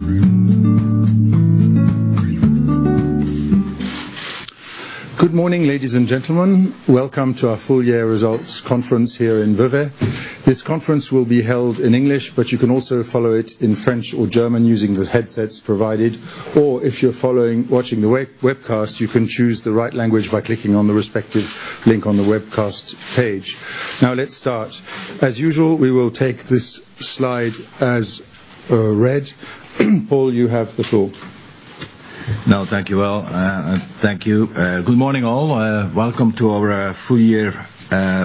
Good morning, ladies and gentlemen. Welcome to our full year results conference here in Vevey. This conference will be held in English, but you can also follow it in French or German using the headsets provided, or if you're watching the webcast, you can choose the right language by clicking on the respective link on the webcast page. Let's start. As usual, we will take this slide as read. Paul, you have the floor. Thank you, Paul. Thank you. Good morning, all. Welcome to our full year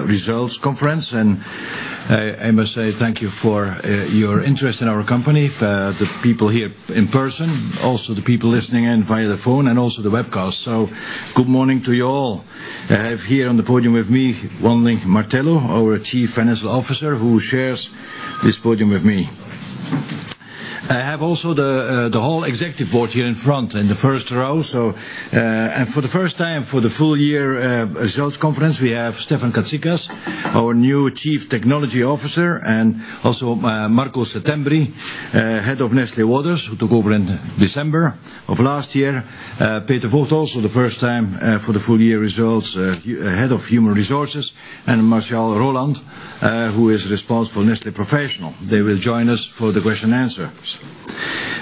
results conference. I must say thank you for your interest in our company, for the people here in person, also the people listening in via the phone and also the webcast. Good morning to you all. I have here on the podium with me, Wan Ling Martello, our Chief Financial Officer, who shares this podium with me. I have also the whole Executive Board here in front in the first row. For the first time, for the full year results conference, we have Stefan Catsicas, our new Chief Technology Officer, and also Marco Settembri, Head of Nestlé Waters, who took over in December of last year. Peter Vogt, also the first time for the full year results, Head of Human Resources, and Martial Rolland, who is responsible for Nestlé Professional. They will join us for the question and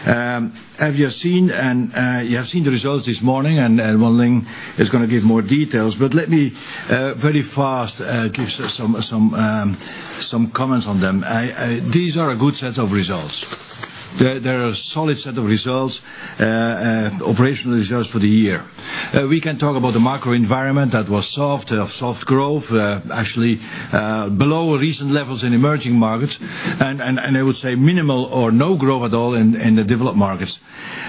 answers. You have seen the results this morning, Wan Ling is going to give more details. Let me very fast give some comments on them. These are a good set of results. They're a solid set of results, operational results for the year. We can talk about the macro environment that was soft, of soft growth, actually below recent levels in emerging markets, and I would say minimal or no growth at all in the developed markets.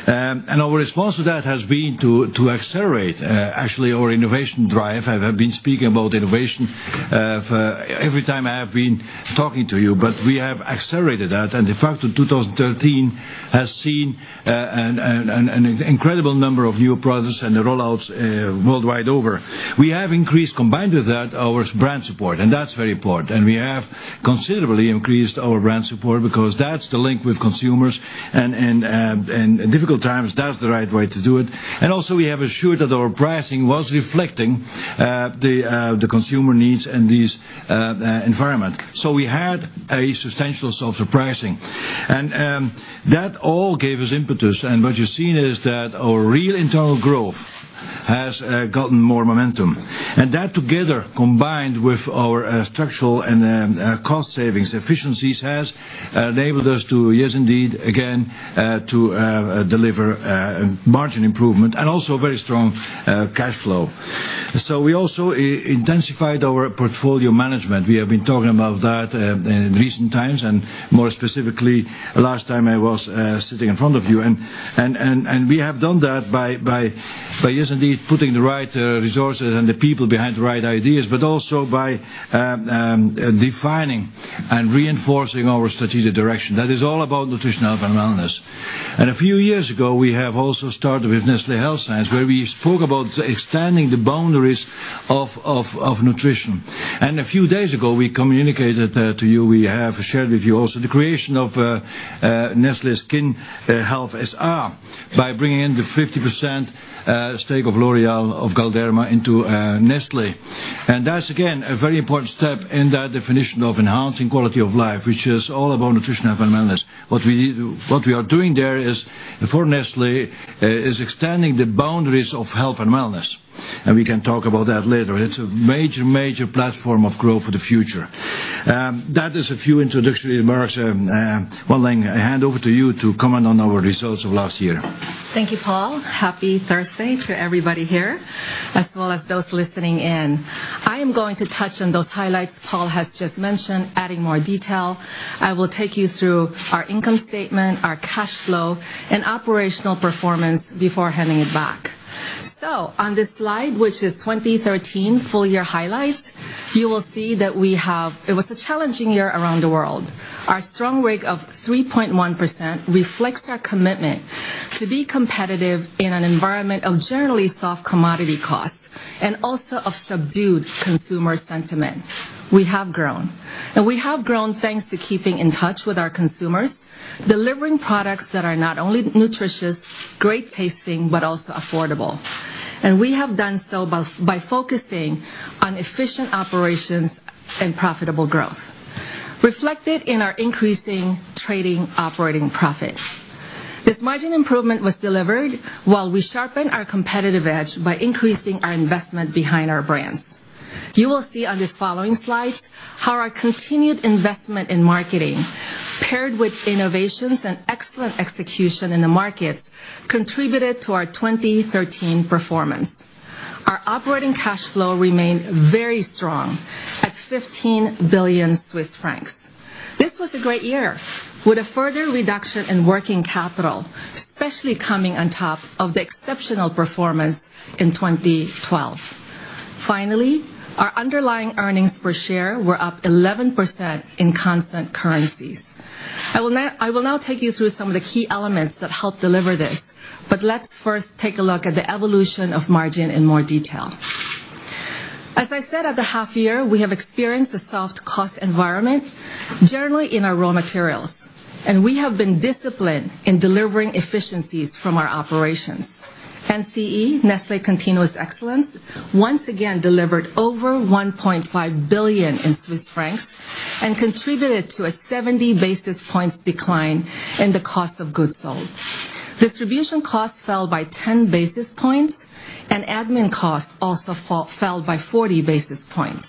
Our response to that has been to accelerate actually our innovation drive. I have been speaking about innovation every time I have been talking to you, but we have accelerated that, and in fact, 2013 has seen an incredible number of new products and the rollouts worldwide over. We have increased, combined with that, our brand support, that's very important. We have considerably increased our brand support because that's the link with consumers, and in difficult times, that's the right way to do it. Also, we have assured that our pricing was reflecting the consumer needs in this environment. We had a substantial softer pricing. That all gave us impetus. What you're seeing is that our real internal growth has gotten more momentum. That together, combined with our structural and cost savings efficiencies, has enabled us to, yes indeed, again, to deliver margin improvement and also very strong cash flow. We also intensified our portfolio management. We have been talking about that in recent times, and more specifically, last time I was sitting in front of you. We have done that by, yes indeed, putting the right resources and the people behind the right ideas, but also by defining and reinforcing our strategic direction. That is all about nutrition, health, and wellness. A few years ago, we have also started with Nestlé Health Science, where we spoke about extending the boundaries of nutrition. A few days ago, we communicated to you, we have shared with you also the creation of Nestlé Skin Health S.A. by bringing in the 50% stake of L'Oréal of Galderma into Nestlé. That's again, a very important step in that definition of enhancing quality of life, which is all about nutrition and wellness. What we are doing there is, for Nestlé, is extending the boundaries of health and wellness. We can talk about that later. It's a major platform of growth for the future. That is a few introductory remarks. Wan Ling, I hand over to you to comment on our results of last year. Thank you, Paul. Happy Thursday to everybody here, as well as those listening in. I am going to touch on those highlights Paul has just mentioned, adding more detail. I will take you through our income statement, our cash flow, and operational performance before handing it back. On this slide, which is 2013 full year highlights, you will see that it was a challenging year around the world. Our strong RIG of 3.1% reflects our commitment to be competitive in an environment of generally soft commodity costs and also of subdued consumer sentiment. We have grown. We have grown thanks to keeping in touch with our consumers, delivering products that are not only nutritious, great tasting, but also affordable. We have done so by focusing on efficient operations and profitable growth reflected in our increasing trading operating profit. This margin improvement was delivered while we sharpen our competitive edge by increasing our investment behind our brands. You will see on this following slide how our continued investment in marketing, paired with innovations and excellent execution in the markets, contributed to our 2013 performance. Our operating cash flow remained very strong at 15 billion Swiss francs. This was a great year with a further reduction in working capital, especially coming on top of the exceptional performance in 2012. Finally, our underlying earnings per share were up 11% in constant currencies. I will now take you through some of the key elements that helped deliver this. Let's first take a look at the evolution of margin in more detail. As I said at the half year, we have experienced a soft cost environment, generally in our raw materials, we have been disciplined in delivering efficiencies from our operations. NCE, Nestlé Continuous Excellence, once again delivered over 1.5 billion and contributed to a 70 basis points decline in the cost of goods sold. Distribution costs fell by 10 basis points. Admin costs also fell by 40 basis points,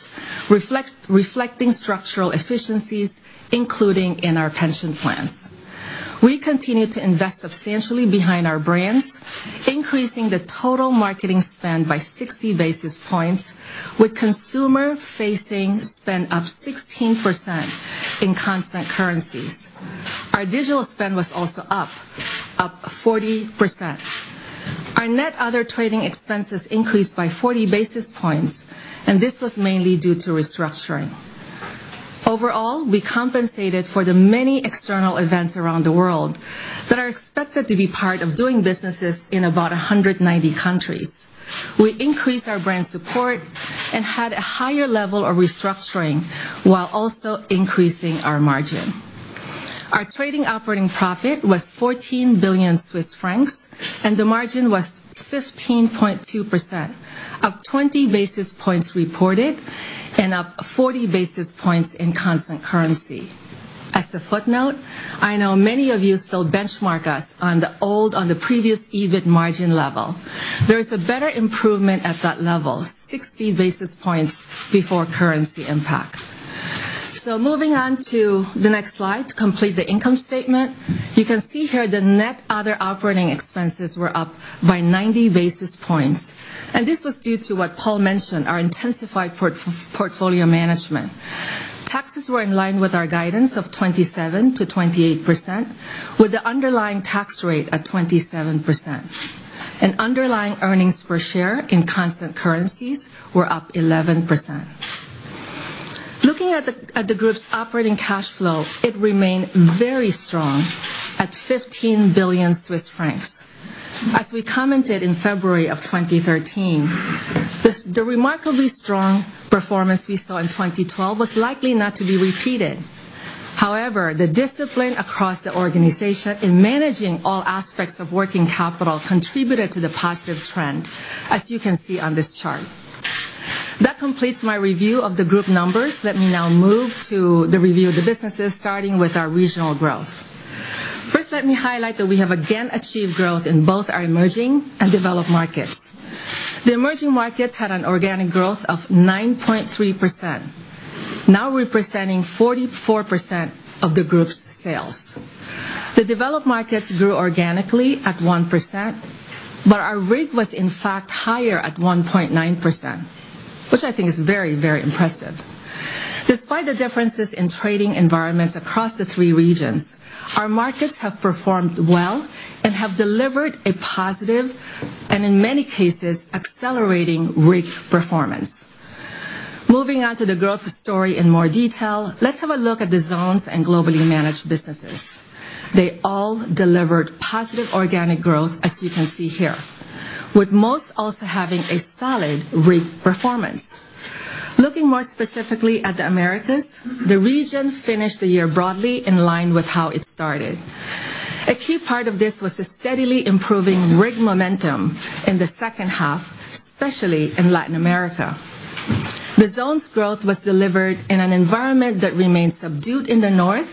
reflecting structural efficiencies, including in our pension plan. We continue to invest substantially behind our brands, increasing the total marketing spend by 60 basis points with consumer-facing spend up 16% in constant currencies. Our digital spend was also up 40%. Our net other trading expenses increased by 40 basis points. This was mainly due to restructuring. We compensated for the many external events around the world that are expected to be part of doing businesses in about 190 countries. We increased our brand support and had a higher level of restructuring while also increasing our margin. Our trading operating profit was 14 billion Swiss francs. The margin was 15.2%, up 20 basis points reported and up 40 basis points in constant currency. As a footnote, I know many of you still benchmark us on the previous EBIT margin level. There is a better improvement at that level, 60 basis points before currency impacts. Moving on to the next slide to complete the income statement. Can see here the net other operating expenses were up by 90 basis points. This was due to what Paul mentioned, our intensified portfolio management. Taxes were in line with our guidance of 27%-28% with the underlying tax rate at 27%. Underlying earnings per share in constant currencies were up 11%. The group's operating cash flow remained very strong at 15 billion Swiss francs. As we commented in February 2013, the remarkably strong performance we saw in 2012 was likely not to be repeated. The discipline across the organization in managing all aspects of working capital contributed to the positive trend, as you can see on this chart. Completes my review of the group numbers. Me now move to the review of the businesses, starting with our regional growth. Let me highlight that we have again achieved growth in both our emerging and developed markets. Emerging markets had an organic growth of 9.3%, now representing 44% of the group's sales. Developed markets grew organically at 1%, but our RIG was in fact higher at 1.9%, which I think is very impressive. Despite the differences in trading environments across the three regions, our markets have performed well and have delivered a positive, and in many cases, accelerating RIG performance. On to the growth story in more detail, let's have a look at the zones and globally managed businesses. All delivered positive organic growth, as you can see here, with most also having a solid RIG performance. More specifically at the Americas, the region finished the year broadly in line with how it started. Key part of this was the steadily improving RIG momentum in the second half, especially in Latin America. Zone's growth was delivered in an environment that remained subdued in the north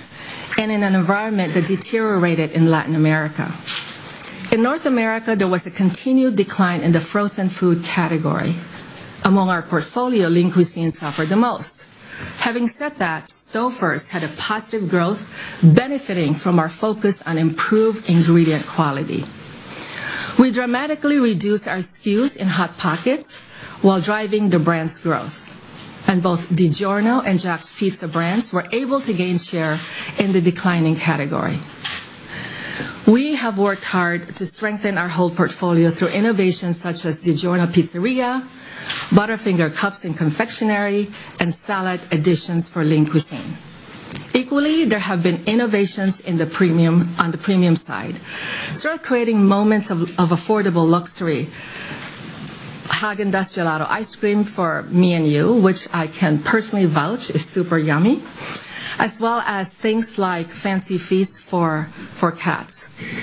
and in an environment that deteriorated in Latin America. North America, there was a continued decline in the frozen food category. Our portfolio, Lean Cuisine suffered the most. Having said that, Stouffer's had a positive growth benefiting from our focus on improved ingredient quality. We dramatically reduced our SKUs in Hot Pockets while driving the brand's growth. Both DiGiorno and Jack's Pizza brands were able to gain share in the declining category. We have worked hard to strengthen our whole portfolio through innovations such as DiGiorno Pizzeria!, Butterfinger Cups in confectionery, and salad additions for Lean Cuisine. Equally, there have been innovations on the premium side, start creating moments of affordable luxury. Häagen-Dazs Gelato Ice Cream for me and you, which I can personally vouch is super yummy, as well as things like Fancy Feast for cats.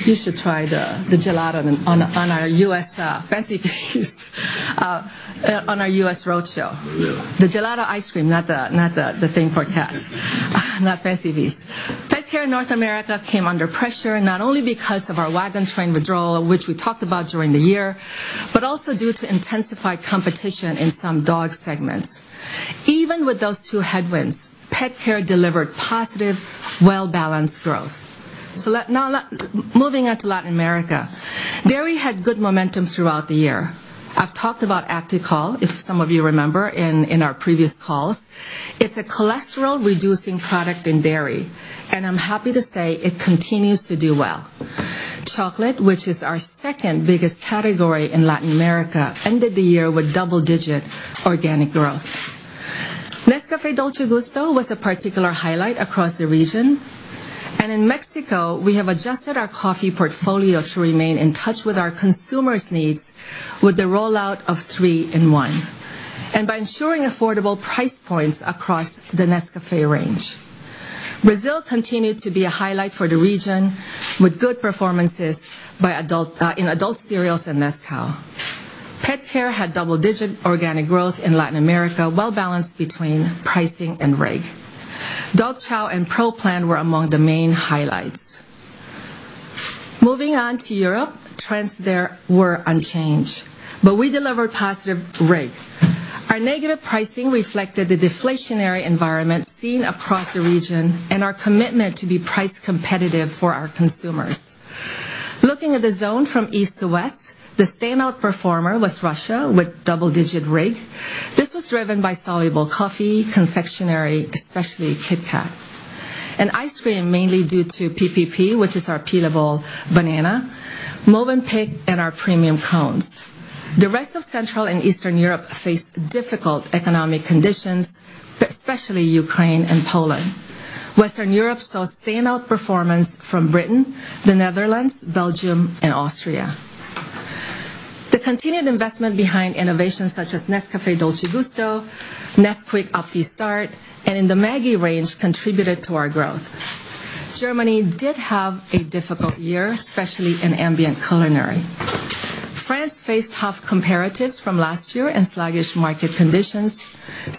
You should try the gelato on our U.S. Fancy Feast on our U.S. road show. The gelato ice cream, not the thing for cats. Not Fancy Feast. Pet care in North America came under pressure, not only because of our Waggin' Train withdrawal, which we talked about during the year, but also due to intensified competition in some dog segments. Even with those two headwinds, pet care delivered positive, well-balanced growth. Moving on to Latin America. Dairy had good momentum throughout the year. I've talked about ActiCol, if some of you remember in our previous calls. It's a cholesterol-reducing product in dairy, and I'm happy to say it continues to do well. Chocolate, which is our second biggest category in Latin America, ended the year with double-digit organic growth. Nescafé Dolce Gusto was a particular highlight across the region. In Mexico, we have adjusted our coffee portfolio to remain in touch with our consumers' needs with the rollout of 3 in 1. By ensuring affordable price points across the Nescafé range. Brazil continued to be a highlight for the region, with good performances in adult cereals and Nescau. Pet Care had double-digit organic growth in Latin America, well-balanced between pricing and RIG. Dog Chow and Pro Plan were among the main highlights. Moving on to Europe, trends there were unchanged, but we delivered positive RIG. Our negative pricing reflected the deflationary environment seen across the region and our commitment to be price competitive for our consumers. Looking at the zone from east to west, the standout performer was Russia, with double-digit RIG. This was driven by soluble coffee, confectionery, especially KitKat. Ice cream, mainly due to PPP, which is our peelable banana, Mövenpick, and our premium cones. The rest of Central and Eastern Europe faced difficult economic conditions, especially Ukraine and Poland. Western Europe saw standout performance from Britain, the Netherlands, Belgium, and Austria. The continued investment behind innovations such as Nescafé Dolce Gusto, Nesquik Opti-start, and in the Maggi range contributed to our growth. Germany did have a difficult year, especially in ambient culinary. France faced tough comparatives from last year and sluggish market conditions.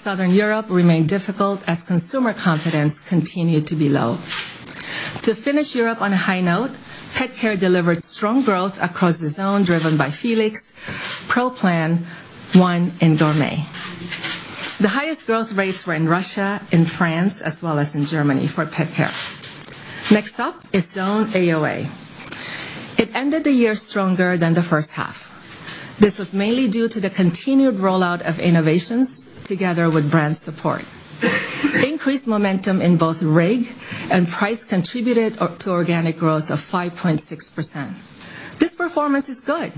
Southern Europe remained difficult as consumer confidence continued to be low. To finish Europe on a high note, Pet Care delivered strong growth across the zone, driven by Felix, Pro Plan, Purina ONE, and Dorame. The highest growth rates were in Russia, in France, as well as in Germany for Pet Care. Next up is Zone AOA. It ended the year stronger than the first half. This was mainly due to the continued rollout of innovations together with brand support. Increased momentum in both RIG and price contributed to organic growth of 5.6%. This performance is good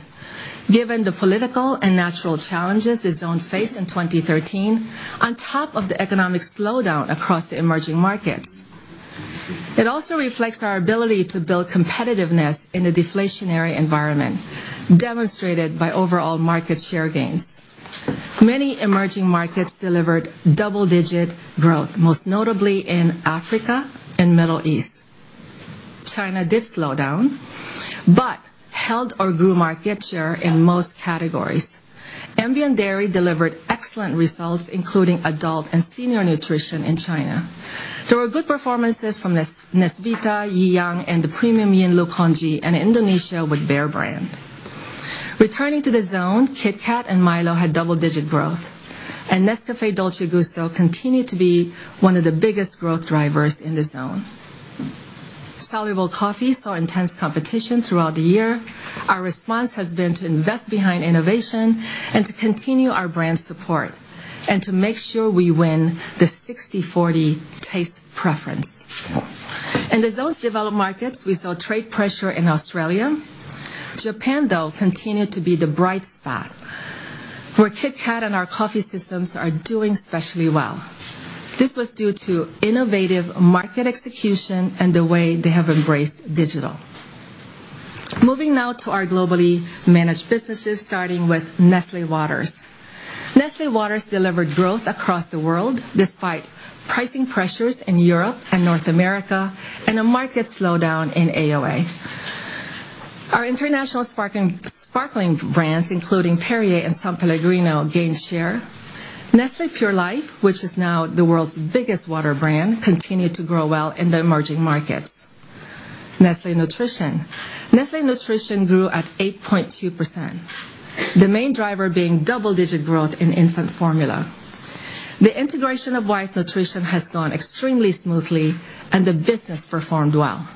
given the political and natural challenges the zone faced in 2013, on top of the economic slowdown across the emerging markets. It also reflects our ability to build competitiveness in a deflationary environment, demonstrated by overall market share gains. Many emerging markets delivered double-digit growth, most notably in Africa and Middle East. China did slow down, but held or grew market share in most categories. Ambient dairy delivered excellent results, including adult and senior nutrition in China. There were good performances from Nesvita, YiLiang, and the premium Yinlu Congee, and Indonesia with Bear Brand. Returning to the zone, KitKat and Milo had double-digit growth, and Nescafé Dolce Gusto continued to be one of the biggest growth drivers in the zone. Soluble coffee saw intense competition throughout the year. Our response has been to invest behind innovation and to continue our brand support, to make sure we win the 60/40+. In those developed markets, we saw trade pressure in Australia. Japan, though, continued to be the bright spot, where KitKat and our coffee systems are doing especially well. This was due to innovative market execution and the way they have embraced digital. Moving now to our globally managed businesses, starting with Nestlé Waters. Nestlé Waters delivered growth across the world despite pricing pressures in Europe and North America and a market slowdown in AOA. Our international sparkling brands, including Perrier and S.Pellegrino, gained share. Nestlé Pure Life, which is now the world's biggest water brand, continued to grow well in the emerging markets. Nestlé Nutrition. Nestlé Nutrition grew at 8.2%, the main driver being double-digit growth in infant formula. The integration of Wyeth Nutrition has gone extremely smoothly and the business performed well.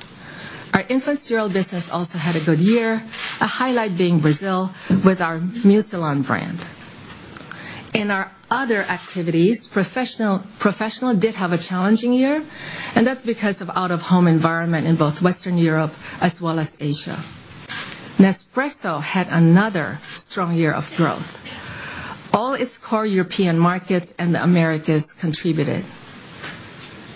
Our infant cereal business also had a good year, a highlight being Brazil with our Mucilon brand. In our other activities, Nestlé Professional did have a challenging year, that's because of out-of-home environment in both Western Europe as well as Asia. Nespresso had another strong year of growth. All its core European markets and the Americas contributed.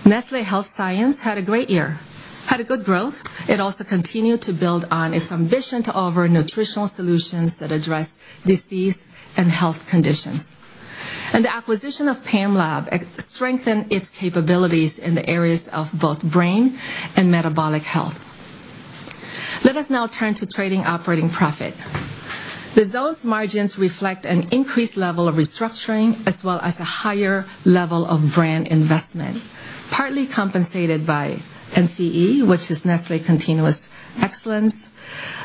Nestlé Health Science had a great year, had a good growth. It also continued to build on its ambition to offer nutritional solutions that address disease and health conditions. The acquisition of Pamlab strengthened its capabilities in the areas of both brain and metabolic health. Let us now turn to trading operating profit. The zone's margins reflect an increased level of restructuring as well as a higher level of brand investment, partly compensated by NCE, which is Nestlé Continuous Excellence.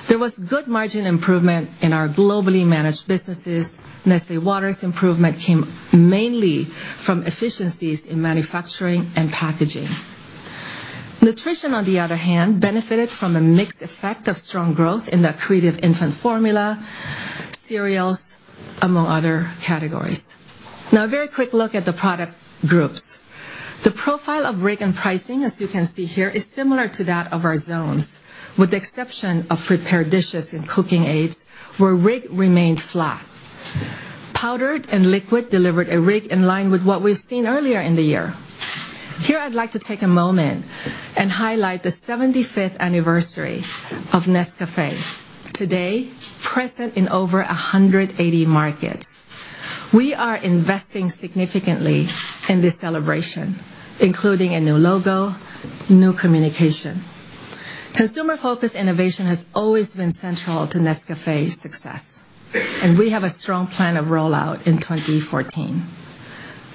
There was good margin improvement in our globally managed businesses. Nestlé Waters' improvement came mainly from efficiencies in manufacturing and packaging. Nutrition, on the other hand, benefited from a mixed effect of strong growth in the accretive infant formula, cereals, among other categories. Now, a very quick look at the product groups. The profile of RIG and pricing, as you can see here, is similar to that of our zones, with the exception of prepared dishes and cooking aids, where RIG remained flat. Powdered and liquid delivered a RIG in line with what we've seen earlier in the year. Here, I'd like to take a moment and highlight the 75th anniversary of Nescafé, today present in over 180 markets. We are investing significantly in this celebration, including a new logo, new communication. Consumer-focused innovation has always been central to Nescafé's success, and we have a strong plan of rollout in 2014.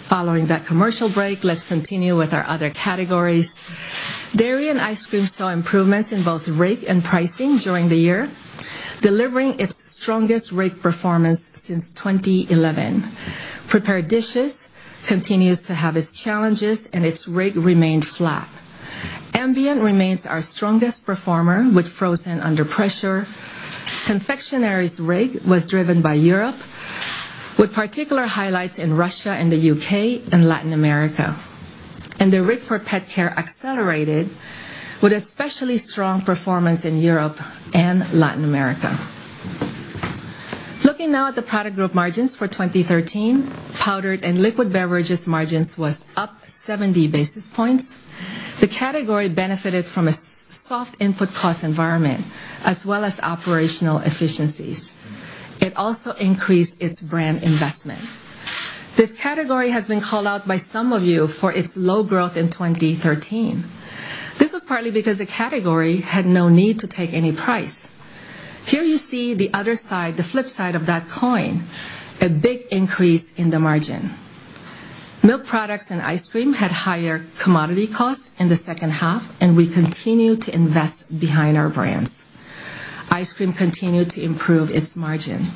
Following that commercial break, let's continue with our other categories. Dairy and ice cream saw improvements in both RIG and pricing during the year, delivering its strongest RIG performance since 2011. Prepared dishes continues to have its challenges, and its RIG remained flat. Ambient remains our strongest performer, with frozen under pressure. Confectionery's RIG was driven by Europe, with particular highlights in Russia and the U.K. and Latin America. The RIG for pet care accelerated with especially strong performance in Europe and Latin America. Looking now at the product group margins for 2013, powdered and liquid beverages margins was up 70 basis points. The category benefited from a soft input cost environment, as well as operational efficiencies. It also increased its brand investment. This category has been called out by some of you for its low growth in 2013. This was partly because the category had no need to take any price. Here you see the other side, the flip side of that coin, a big increase in the margin. Milk products and ice cream had higher commodity costs in the second half, and we continue to invest behind our brands. Ice cream continued to improve its margin.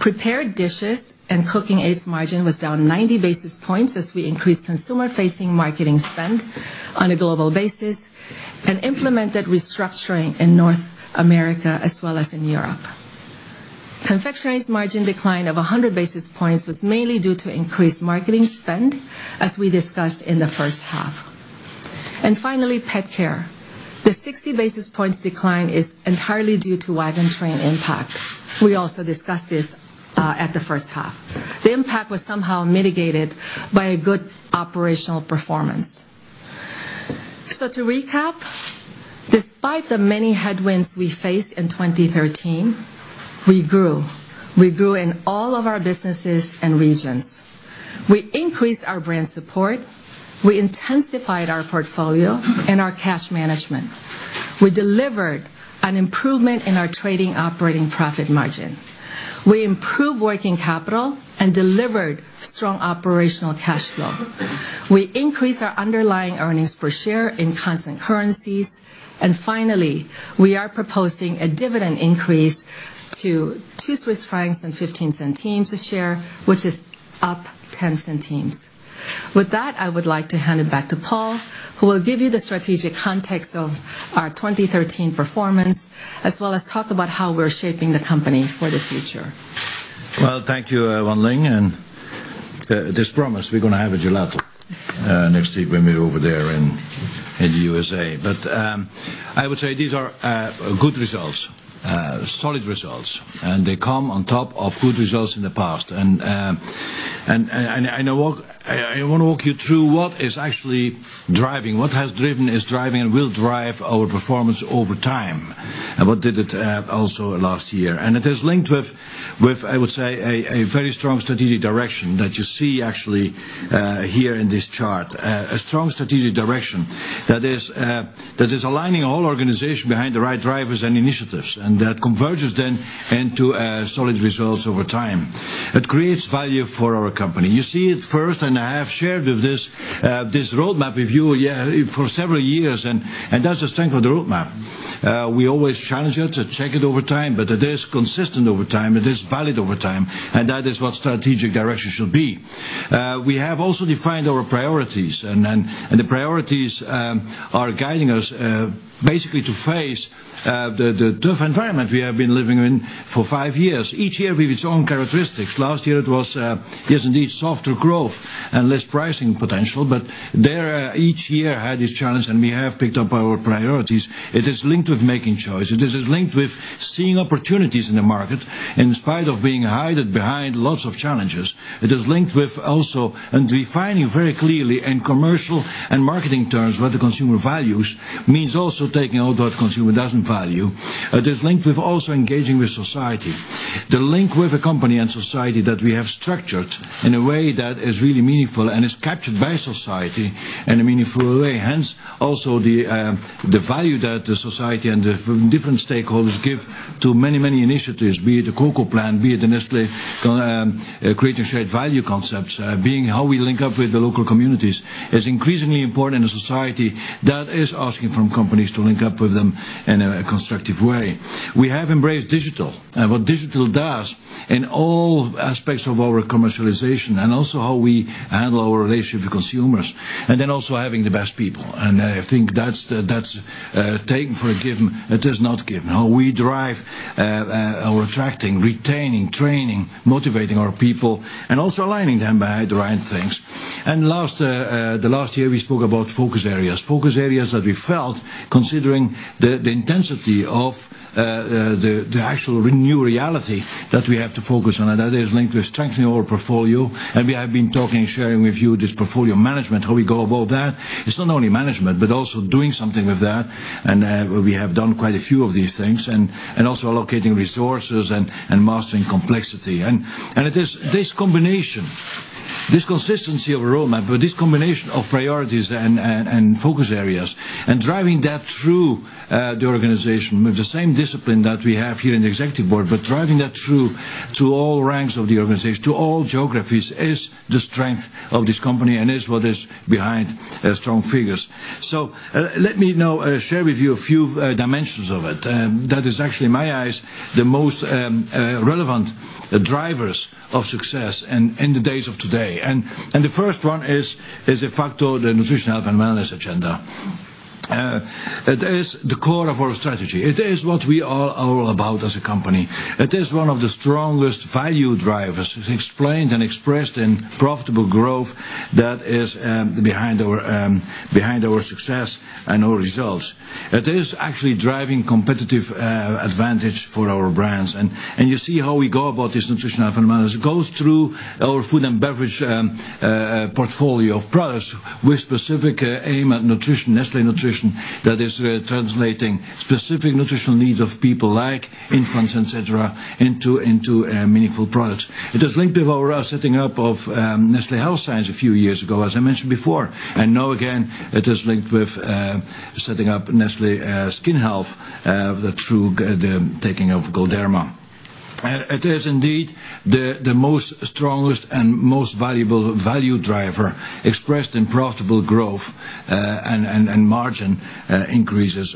Prepared dishes and cooking aids margin was down 90 basis points as we increased consumer-facing marketing spend on a global basis and implemented restructuring in North America as well as in Europe. Confectionery's margin decline of 100 basis points was mainly due to increased marketing spend as we discussed in the first half. Finally, pet care. The 60 basis points decline is entirely due to Waggin' Train impact. We also discussed this at the first half. The impact was somehow mitigated by a good operational performance. To recap, despite the many headwinds we faced in 2013, we grew. We grew in all of our businesses and regions. We increased our brand support. We intensified our portfolio and our cash management. We delivered an improvement in our trading operating profit margin. We improved working capital and delivered strong operational cash flow. We increased our underlying earnings per share in constant currencies. Finally, we are proposing a dividend increase to 2.15 Swiss francs a share, which is up 0.10. With that, I would like to hand it back to Paul, who will give you the strategic context of our 2013 performance, as well as talk about how we're shaping the company for the future. Well, thank you, Wan Ling, and as promised, we're going to have a gelato next week when we're over there in the U.S.A. I would say these are good results, solid results, and they come on top of good results in the past. I want to walk you through what is actually driving, what has driven, is driving, and will drive our performance over time, and what did it also last year. It is linked with, I would say, a very strong strategic direction that you see actually here in this chart. A strong strategic direction that is aligning all organization behind the right drivers and initiatives, and that converges then into solid results over time. It creates value for our company. You see it first, and I have shared this roadmap with you for several years, and that's the strength of the roadmap. We always challenge it to check it over time, but it is consistent over time. It is valid over time, and that is what strategic direction should be. We have also defined our priorities, and the priorities are guiding us basically to face the tough environment we have been living in for five years, each year with its own characteristics. Last year it was, yes, indeed, softer growth and less pricing potential, but there, each year had its challenge, and we have picked up our priorities. It is linked with making choice. It is linked with seeing opportunities in the market, in spite of being hidden behind lots of challenges. It is linked with also, and defining very clearly in commercial and marketing terms what the consumer values, means also taking out what consumer doesn't value. It is linked with also engaging with society. The link with the company and society that we have structured in a way that is really meaningful and is captured by society in a meaningful way. Hence, also the value that the society and the different stakeholders give to many initiatives, be it the Cocoa Plan, be it the Nestlé Creating Shared Value concepts, be it how we link up with the local communities, is increasingly important in a society that is asking from companies to link up with them in a constructive way. We have embraced digital and what digital does in all aspects of our commercialization, and also how we handle our relationship with consumers. Then also having the best people, and I think that's taken for a given. It is not given how we drive our attracting, retaining, training, motivating our people, and also aligning them behind the right things. The last year, we spoke about focus areas. Focus areas that we felt, considering the intensity of the actual new reality that we have to focus on, and that is linked to strengthening our portfolio. We have been talking and sharing with you this portfolio management, how we go about that. It's not only management, but also doing something with that. We have done quite a few of these things, and also allocating resources and mastering complexity. It is this combination, this consistency of a roadmap, but this combination of priorities and focus areas, and driving that through the organization with the same discipline that we have here in the executive board, but driving that through to all ranks of the organization, to all geographies, is the strength of this company, and is what is behind strong figures. Let me now share with you a few dimensions of it. That is actually, in my eyes, the most relevant drivers of success in the days of today. The first one is, de facto, the Nutrition, Health, and Wellness agenda. It is the core of our strategy. It is what we are all about as a company. It is one of the strongest value drivers, as explained and expressed in profitable growth that is behind our success and our results. It is actually driving competitive advantage for our brands. You see how we go about this Nutrition, Health, and Wellness. It goes through our food and beverage portfolio of products with specific aim at nutrition, Nestlé Nutrition, that is translating specific nutritional needs of people, like infants, et cetera, into meaningful products. It is linked with our setting up of Nestlé Health Science a few years ago, as I mentioned before. Now again, it is linked with setting up Nestlé Skin Health through the taking of Galderma. It is indeed the most strongest and most valuable value driver expressed in profitable growth, and margin increases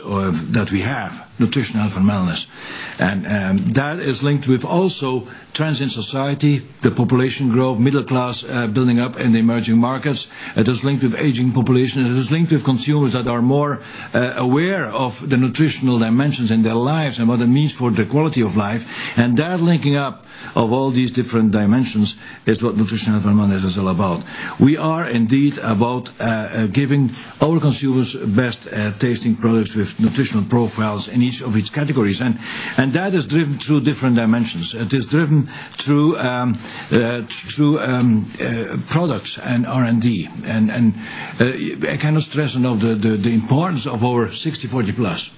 that we have, Nutrition, Health, and Wellness. That is linked with also trends in society, the population growth, middle class building up in the emerging markets. It is linked with aging population, and it is linked with consumers that are more aware of the nutritional dimensions in their lives and what it means for their quality of life. That linking up of all these different dimensions is what Nutrition, Health, and Wellness is all about. We are indeed about giving our consumers best-tasting products with nutritional profiles in each of its categories. That is driven through different dimensions. It is driven through products and R&D. I cannot stress enough the importance of our 60/40+.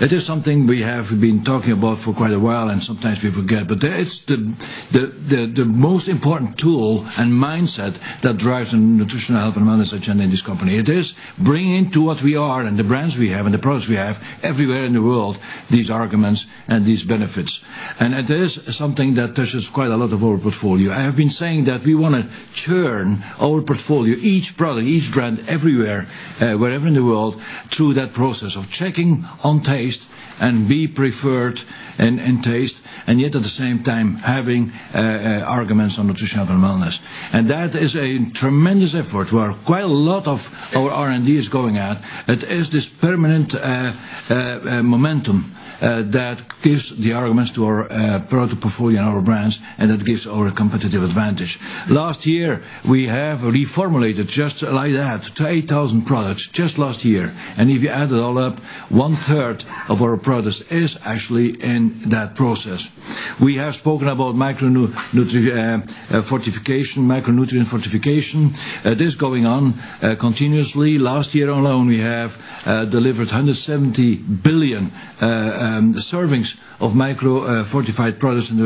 It is something we have been talking about for quite a while, and sometimes we forget. That is the most important tool and mindset that drives the Nutrition, Health, and Wellness agenda in this company. It is bringing to what we are and the brands we have and the products we have everywhere in the world, these arguments and these benefits. It is something that touches quite a lot of our portfolio. I have been saying that we want to churn our portfolio, each product, each brand, everywhere, wherever in the world, through that process of checking on taste and be preferred in taste, and yet at the same time, having arguments on Nutrition, Health, and Wellness. That is a tremendous effort, where quite a lot of our R&D is going at. It is this permanent momentum that gives the arguments to our product portfolio and our brands, and that gives our competitive advantage. Last year, we have reformulated, just like that, 8,000 products, just last year. If you add it all up, one-third of our products is actually in that process. We have spoken about micronutrient fortification. It is going on continuously. Last year alone, we have delivered 170 billion servings of microfortified products in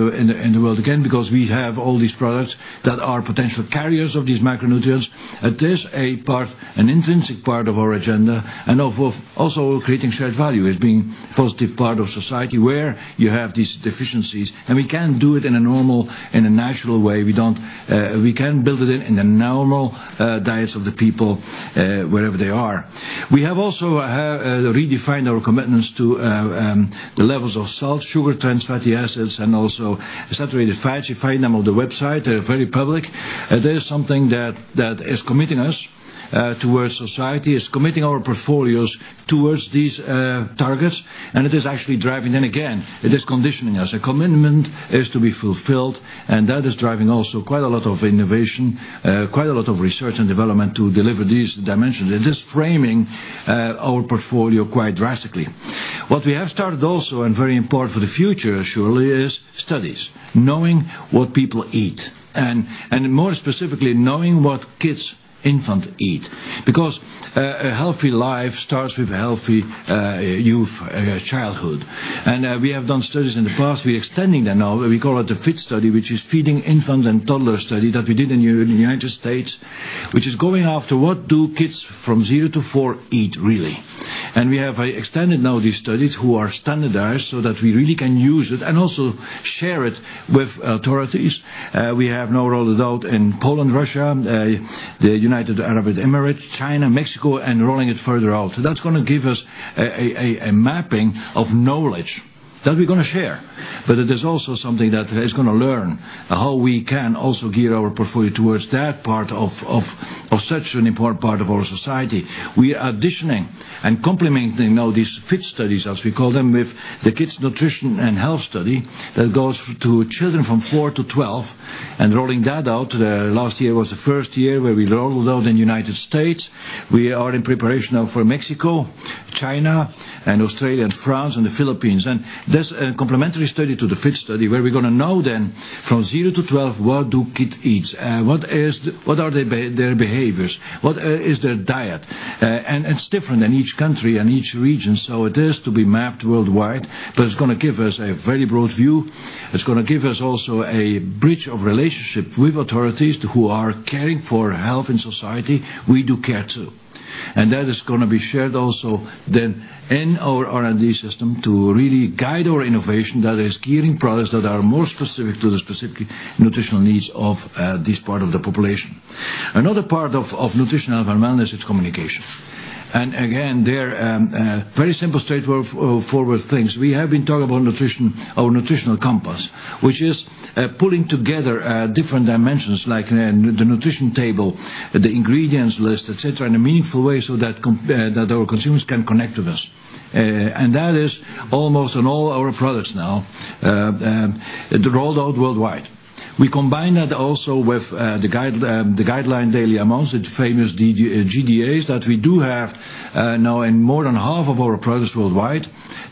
the world. Again, because we have all these products that are potential carriers of these micronutrients. It is a part, an intrinsic part of our agenda, and of also creating shared value as being positive part of society where you have these deficiencies. We can do it in a normal, in a natural way. We can build it in the normal diets of the people wherever they are. We have also redefined our commitments to the levels of salt, sugar, trans fatty acids, and also saturated fats. You find them on the website. They're very public. That is something that is committing us towards society, is committing our portfolios towards these targets, and it is actually driving. Again, it is conditioning us. A commitment is to be fulfilled, and that is driving also quite a lot of innovation, quite a lot of research and development to deliver these dimensions. It is framing our portfolio quite drastically. What we have started also, and very important for the future surely, is studies. Knowing what people eat. More specifically, knowing what kids, infant eat. Because a healthy life starts with a healthy childhood. We have done studies in the past. We're extending that now. We call it the FIT study, which is Feeding Infants and Toddlers Study that we did in the U.S., which is going after what do kids from zero to four eat, really. We have extended now these studies, who are standardized so that we really can use it and also share it with authorities. We have now rolled it out in Poland, Russia, the United Arab Emirates, China, Mexico, and rolling it further out. That's going to give us a mapping of knowledge that we're going to share. It is also something that is going to learn how we can also gear our portfolio towards that part of such an important part of our society. We are additioning and complementing now these FIT studies, as we call them, with the Kids Nutrition and Health Study that goes to children from four to 12, and rolling that out. Last year was the first year where we rolled it out in the U.S. We are in preparation now for Mexico. China and Australia and France and the Philippines. There's a complementary study to the FIT study, where we're going to know then from zero to 12, what do kids eat? What are their behaviors? What is their diet? It's different in each country and each region. It is to be mapped worldwide, but it's going to give us a very broad view. It's going to give us also a bridge of relationship with authorities who are caring for health in society. We do care, too. That is going to be shared also then in our R&D system to really guide our innovation that is gearing products that are more specific to the specific nutritional needs of this part of the population. Another part of nutritional wellness is communication. Again, they're very simple, straightforward things. We have been talking about our nutritional compass, which is pulling together different dimensions like the nutrition table, the ingredients list, et cetera, in a meaningful way so that our consumers can connect with us. That is almost on all our products now, rolled out worldwide. We combine that also with the Guideline Daily Amounts, the famous GDAs, that we do have now in more than half of our products worldwide.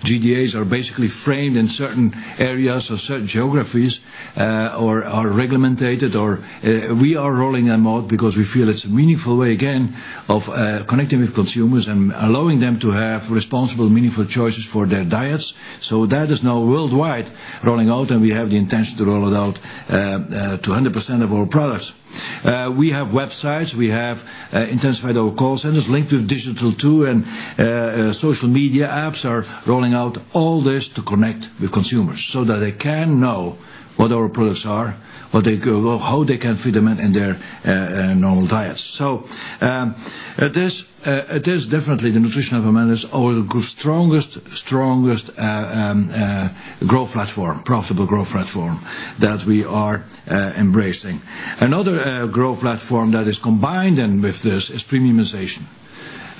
GDAs are basically framed in certain areas or certain geographies or are regulated, or we are rolling them out because we feel it's a meaningful way, again, of connecting with consumers and allowing them to have responsible, meaningful choices for their diets. That is now worldwide rolling out, and we have the intention to roll it out to 100% of our products. We have websites, we have intensified our call centers linked to digital too, social media apps are rolling out all this to connect with consumers so that they can know what our products are, how they can fit them in their normal diets. It is definitely the nutritional wellness, our strongest profitable growth platform that we are embracing. Another growth platform that is combined then with this is premiumization.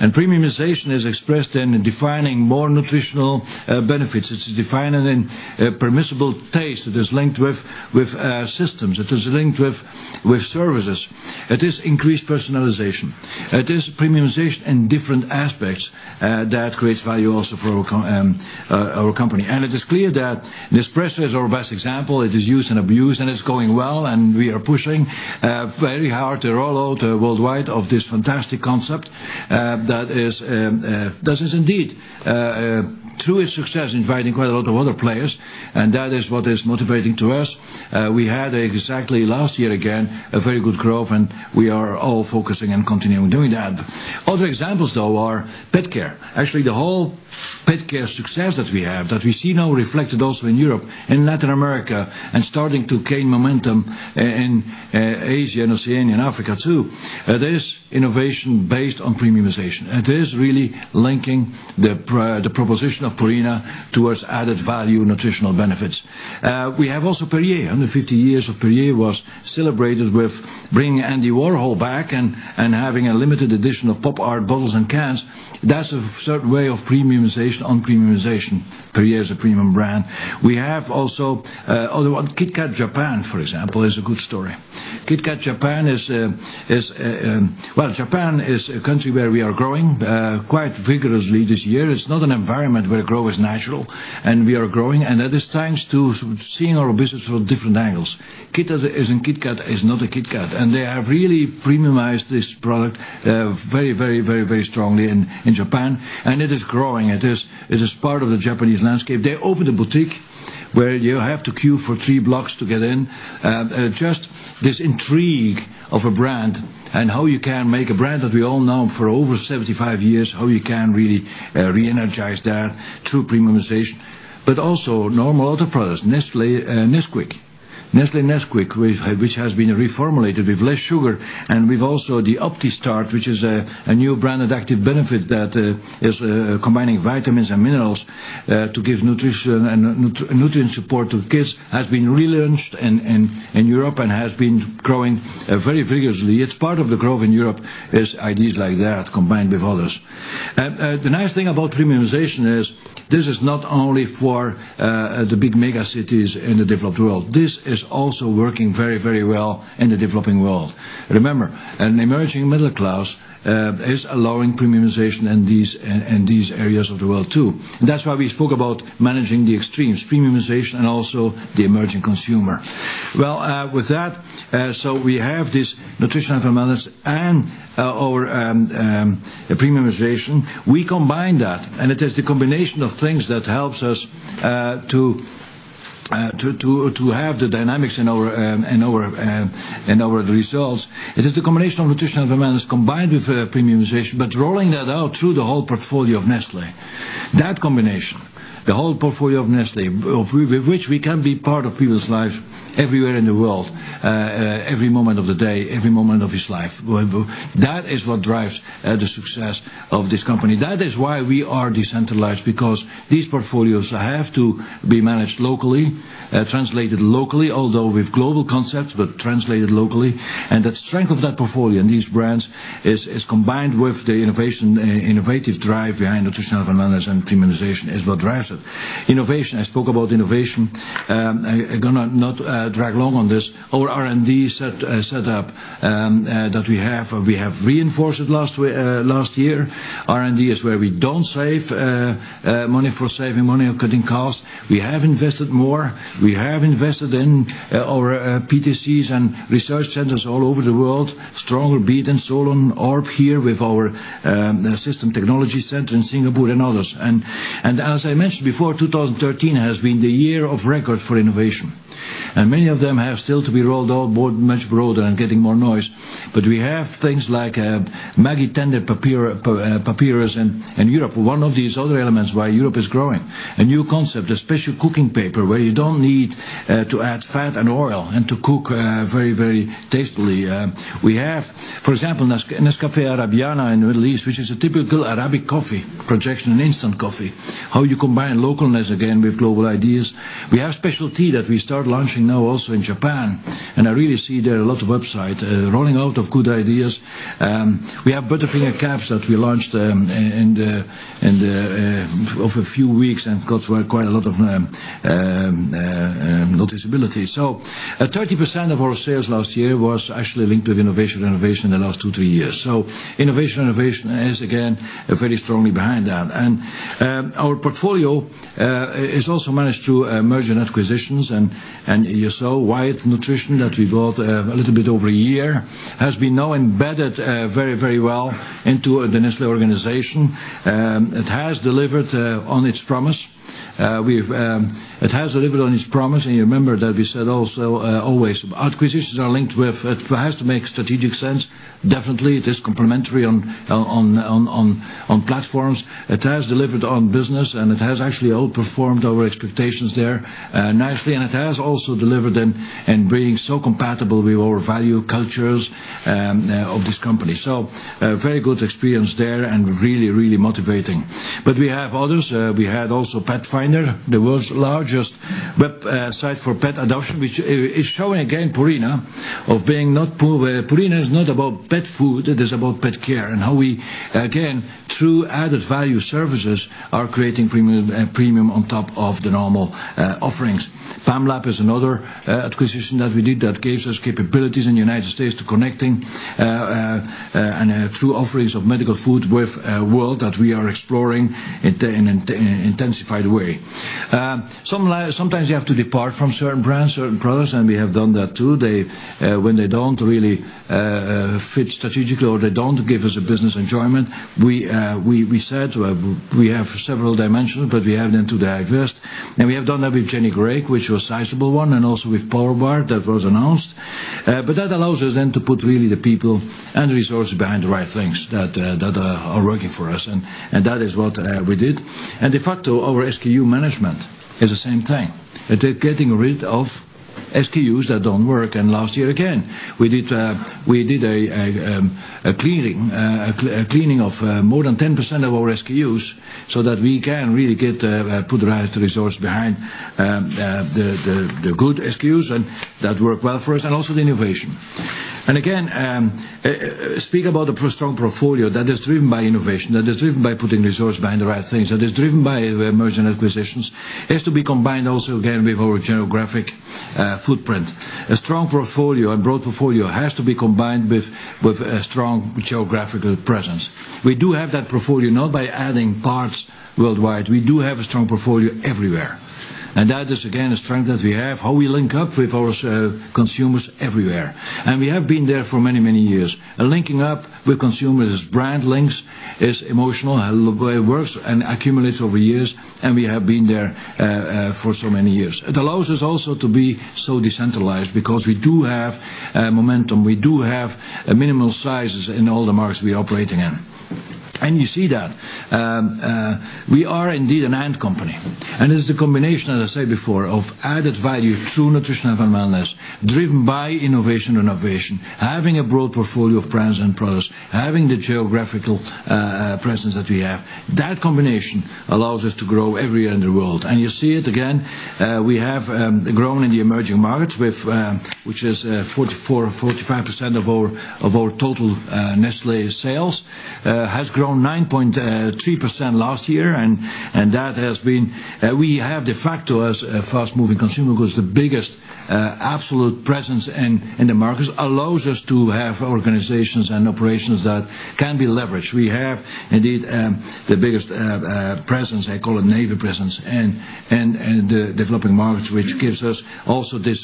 Premiumization is expressed in defining more nutritional benefits. It is defining permissible taste that is linked with systems, it is linked with services. It is increased personalization. It is premiumization in different aspects that creates value also for our company. It is clear that Nespresso is our best example. It is used and abused, it is going well, we are pushing very hard to roll out worldwide of this fantastic concept that is indeed, through its success, inviting quite a lot of other players, that is what is motivating to us. We had exactly last year again, a very good growth, we are all focusing on continuing doing that. Other examples, though, are pet care. Actually, the whole pet care success that we have, that we see now reflected also in Europe and Latin America starting to gain momentum in Asia and Oceania and Africa too. It is innovation based on premiumization, it is really linking the proposition of Purina towards added value nutritional benefits. We have also Perrier. 150 years of Perrier was celebrated with bringing Andy Warhol back and having a limited edition of pop art bottles and cans. That is a certain way of premiumization on premiumization. Perrier is a premium brand. We have also Kit Kat Japan, for example, is a good story. Japan is a country where we are growing quite vigorously this year. It is not an environment where growth is natural, we are growing, that is thanks to seeing our business from different angles. Kit as in Kit Kat is not a Kit Kat, they have really premiumized this product very strongly in Japan, it is growing. It is part of the Japanese landscape. They opened a boutique where you have to queue for three blocks to get in. Just this intrigue of a brand and how you can make a brand that we all know for over 75 years, how you can really re-energize that through premiumization. Also normal other products, Nestlé Nesquik, which has been reformulated with less sugar with also the Opti-start, which is a new brand adaptive benefit that is combining vitamins and minerals to give nutrition and nutrient support to kids, has been relaunched in Europe has been growing very vigorously. It is part of the growth in Europe as ideas like that combined with others. The nice thing about premiumization is this is not only for the big mega cities in the developed world. This is also working very well in the developing world. Remember, an emerging middle class is allowing premiumization in these areas of the world, too. That is why we spoke about managing the extremes, premiumization and also the emerging consumer. With that, we have this nutritional fundamentals and our premiumization. It is the combination of things that helps us to have the dynamics in our results. It is the combination of nutritional fundamentals combined with premiumization, rolling that out through the whole portfolio of Nestlé. That combination, the whole portfolio of Nestlé, with which we can be part of people's lives everywhere in the world, every moment of the day, every moment of his life. That is what drives the success of this company. That is why we are decentralized, because these portfolios have to be managed locally, translated locally, although with global concepts, but translated locally. The strength of that portfolio and these brands is combined with the innovative drive behind nutritional fundamentals and premiumization is what drives it. Innovation, I spoke about innovation. I am going to not drag long on this. Our R&D set up that we have, we have reinforced it last year. R&D is where we do not save money for saving money or cutting costs. We have invested more. We have invested in our PTCs and research centers all over the world. Stronger beat in Solon,[Aarup] here with our system technology center in Singapore and others. As I mentioned before, 2013 has been the year of record for innovation. Many of them have still to be rolled out much broader and getting more noise. We have things like Maggi Papillote in Europe, one of these other elements why Europe is growing. A new concept, a special cooking paper where you do not need to add fat and oil to cook very tastefully. We have, for example, Nescafé Arabiana in Middle East, which is a typical Arabic coffee projection, an instant coffee. How you combine localness again with global ideas. We have special tea that we start launching now also in Japan, I really see there a lot of upside. Rolling out of good ideas. We have Butterfinger Cups that we launched over a few weeks and got quite a lot of noticeability. 30% of our sales last year was actually linked with innovation renovation in the last two, three years. Innovation renovation is again very strongly behind that. Our portfolio has also managed through merger and acquisitions, you saw Wyeth Nutrition that we bought a little bit over a year, has been now embedded very well into the Nestlé organization. It has delivered on its promise. It has delivered on its promise, you remember that we said also always acquisitions are linked with, it has to make strategic sense. Definitely it is complementary on platforms. It has delivered on business, it has actually outperformed our expectations there nicely. It has also delivered in being so compatible with our value cultures of this company. Very good experience there and really motivating. We have others. We had also Petfinder, the world's largest website for pet adoption, which is showing again Purina of being not poor. Purina is not about pet food, it is about pet care. How we, again, through added value services, are creating premium on top of the normal offerings. Pamlab is another acquisition that we did that gives us capabilities in the U.S. to connecting through offerings of medical food with a world that we are exploring in an intensified way. Sometimes you have to depart from certain brands, certain products, we have done that, too. When they don't really fit strategically or they don't give us a business enjoyment, we said we have several dimensions, but we have them to divest. We have done that with Jenny Craig, which was sizable one, also with PowerBar, that was announced. That allows us then to put really the people and resources behind the right things that are working for us. That is what we did. De facto, our SKU management is the same thing. Getting rid of SKUs that don't work. Last year, again, we did a cleaning of more than 10% of our SKUs so that we can really put right resource behind the good SKUs, that work well for us, also the innovation. Again, speak about a strong portfolio that is driven by innovation, that is driven by putting resource behind the right things, that is driven by merger and acquisitions, has to be combined also, again, with our geographic footprint. A strong portfolio, a broad portfolio has to be combined with a strong geographical presence. We do have that portfolio, not by adding parts worldwide. We do have a strong portfolio everywhere. That is, again, a strength that we have, how we link up with our consumers everywhere. We have been there for many years. Linking up with consumers as brand links is emotional. It works and accumulates over years, and we have been there for so many years. It allows us also to be so decentralized because we do have momentum, we do have minimal sizes in all the markets we are operating in. You see that. We are indeed a company, it's a combination, as I said before, of added value through nutrition and wellness, driven by innovation renovation, having a broad portfolio of brands and products, having the geographical presence that we have. That combination allows us to grow everywhere in the world. You see it again, we have grown in the emerging markets, which is 44%-45% of our total Nestlé sales. Has grown 9.3% last year, that has been We have de facto as a fast-moving consumer goods, the biggest absolute presence in the markets allows us to have organizations and operations that can be leveraged. We have indeed the biggest presence, I call it navy presence, in the developing markets, which gives us also this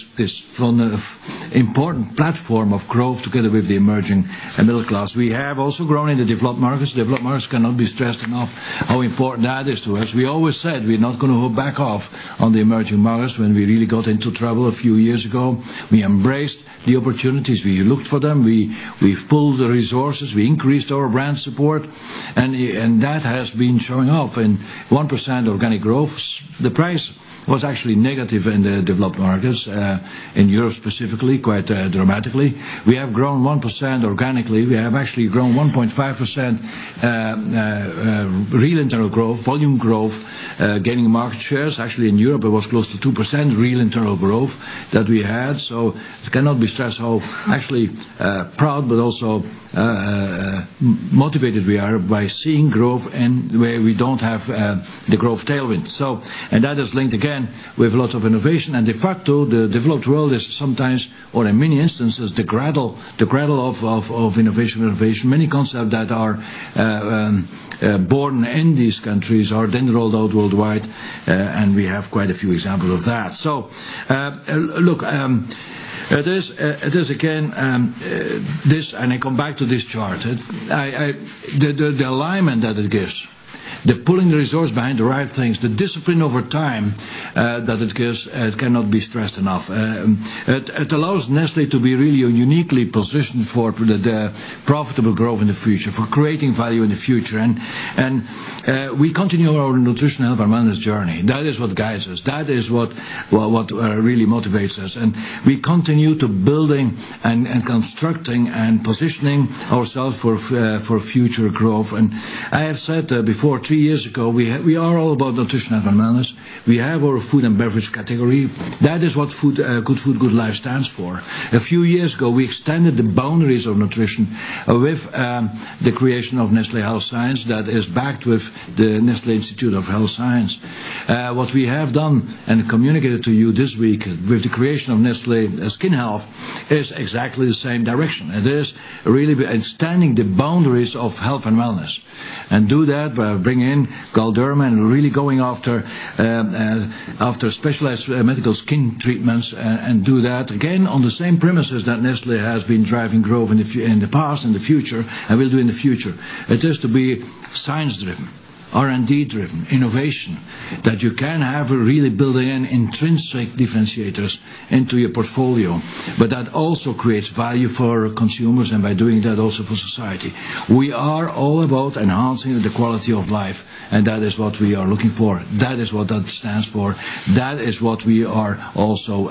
important platform of growth together with the emerging middle class. We have also grown in the developed markets. Developed markets cannot be stressed enough how important that is to us. We always said we're not going to back off on the emerging markets when we really got into trouble a few years ago. We embraced the opportunities. We looked for them. We've pulled the resources. We increased our brand support, that has been showing up in 1% organic growth. The price was actually negative in the developed markets, in Europe specifically, quite dramatically. We have grown 1% organically. We have actually grown 1.9% real internal growth, volume growth, gaining market shares. Actually, in Europe, it was close to 2% real internal growth that we had. It cannot be stressed how actually proud but also motivated we are by seeing growth and where we don't have the growth tailwind. That is linked again with lot of innovation. De facto, the developed world is sometimes, or in many instances, the cradle of innovation renovation. Many concepts that are born in these countries are then rolled out worldwide, and we have quite a few examples of that. Look, it is again, this, and I come back to this chart. The alignment that it gives. The pulling resource behind the right things, the discipline over time that it gives cannot be stressed enough. It allows Nestlé to be really uniquely positioned for the profitable growth in the future, for creating value in the future. We continue our nutrition, health and wellness journey. That is what guides us. That is what really motivates us. We continue to building and constructing and positioning ourselves for future growth. I have said before, three years ago, we are all about nutrition, health and wellness. We have our food and beverage category. That is what good food, good life stands for. A few years ago, we extended the boundaries of nutrition with the creation of Nestlé Health Science that is backed with the Nestlé Institute of Health Sciences. What we have done and communicated to you this week with the creation of Nestlé Skin Health, is exactly the same direction. It is really extending the boundaries of health and wellness. Do that by bringing in Galderma and really going after specialized medical skin treatments. Do that, again, on the same premises that Nestlé has been driving growth in the past, and the future, and will do in the future. It is to be science-driven, R&D-driven, innovation, that you can have really building in intrinsic differentiators into your portfolio, but that also creates value for consumers, and by doing that, also for society. We are all about enhancing the quality of life, and that is what we are looking for. That is what that stands for. That is what we are also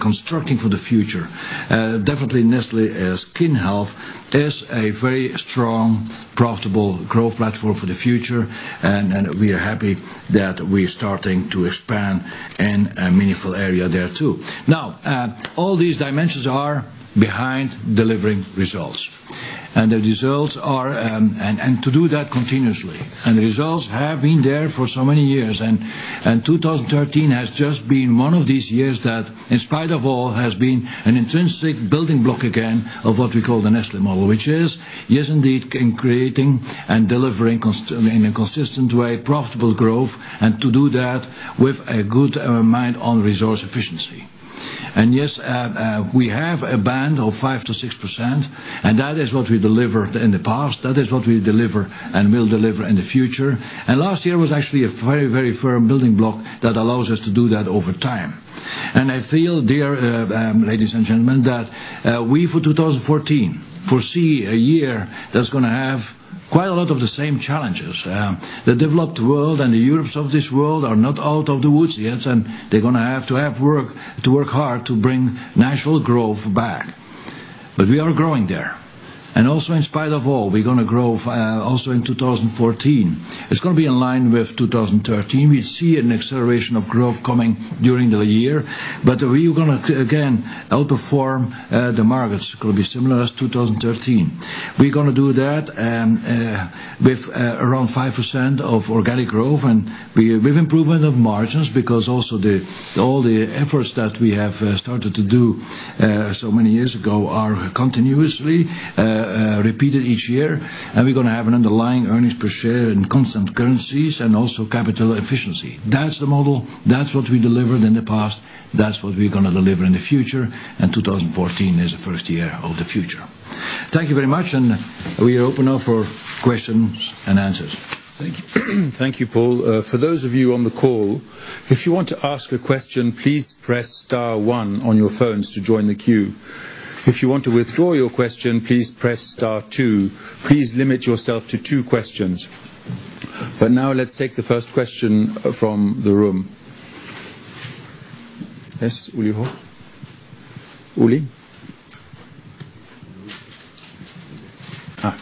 constructing for the future. Definitely Nestlé Skin Health is a very strong, profitable growth platform for the future, and we are happy that we're starting to expand in a meaningful area there, too. All these dimensions are behind delivering results. To do that continuously. The results have been there for so many years, and 2013 has just been one of these years that, in spite of all, has been an intrinsic building block again of what we call the Nestlé model. Which is, yes indeed, in creating and delivering in a consistent way, profitable growth, and to do that with a good mind on resource efficiency. Yes, we have a band of 5%-6%, and that is what we delivered in the past. That is what we deliver and will deliver in the future. Last year was actually a very firm building block that allows us to do that over time. I feel, dear ladies and gentlemen, that we, for 2014, foresee a year that's going to have quite a lot of the same challenges. The developed world and the Europes of this world are not out of the woods yet, and they're going to have to work hard to bring natural growth back. We are growing there. Also, in spite of all, we're going to grow also in 2014. It's going to be in line with 2013. We see an acceleration of growth coming during the year, we are going to, again, outperform the markets. It could be similar as 2013. We're going to do that with around 5% of organic growth, with improvement of margins, because also all the efforts that we have started to do so many years ago are continuously repeated each year. We're going to have an underlying earnings per share in constant currencies and also capital efficiency. That's the model. That's what we delivered in the past. That's what we're going to deliver in the future. 2014 is the first year of the future. Thank you very much. We are open now for questions and answers. Thank you, Paul. For those of you on the call, if you want to ask a question, please press star one on your phones to join the queue. If you want to withdraw your question, please press star two. Please limit yourself to two questions. Now let's take the first question from the room. Yes, Uli Hoch. Uli? Hi.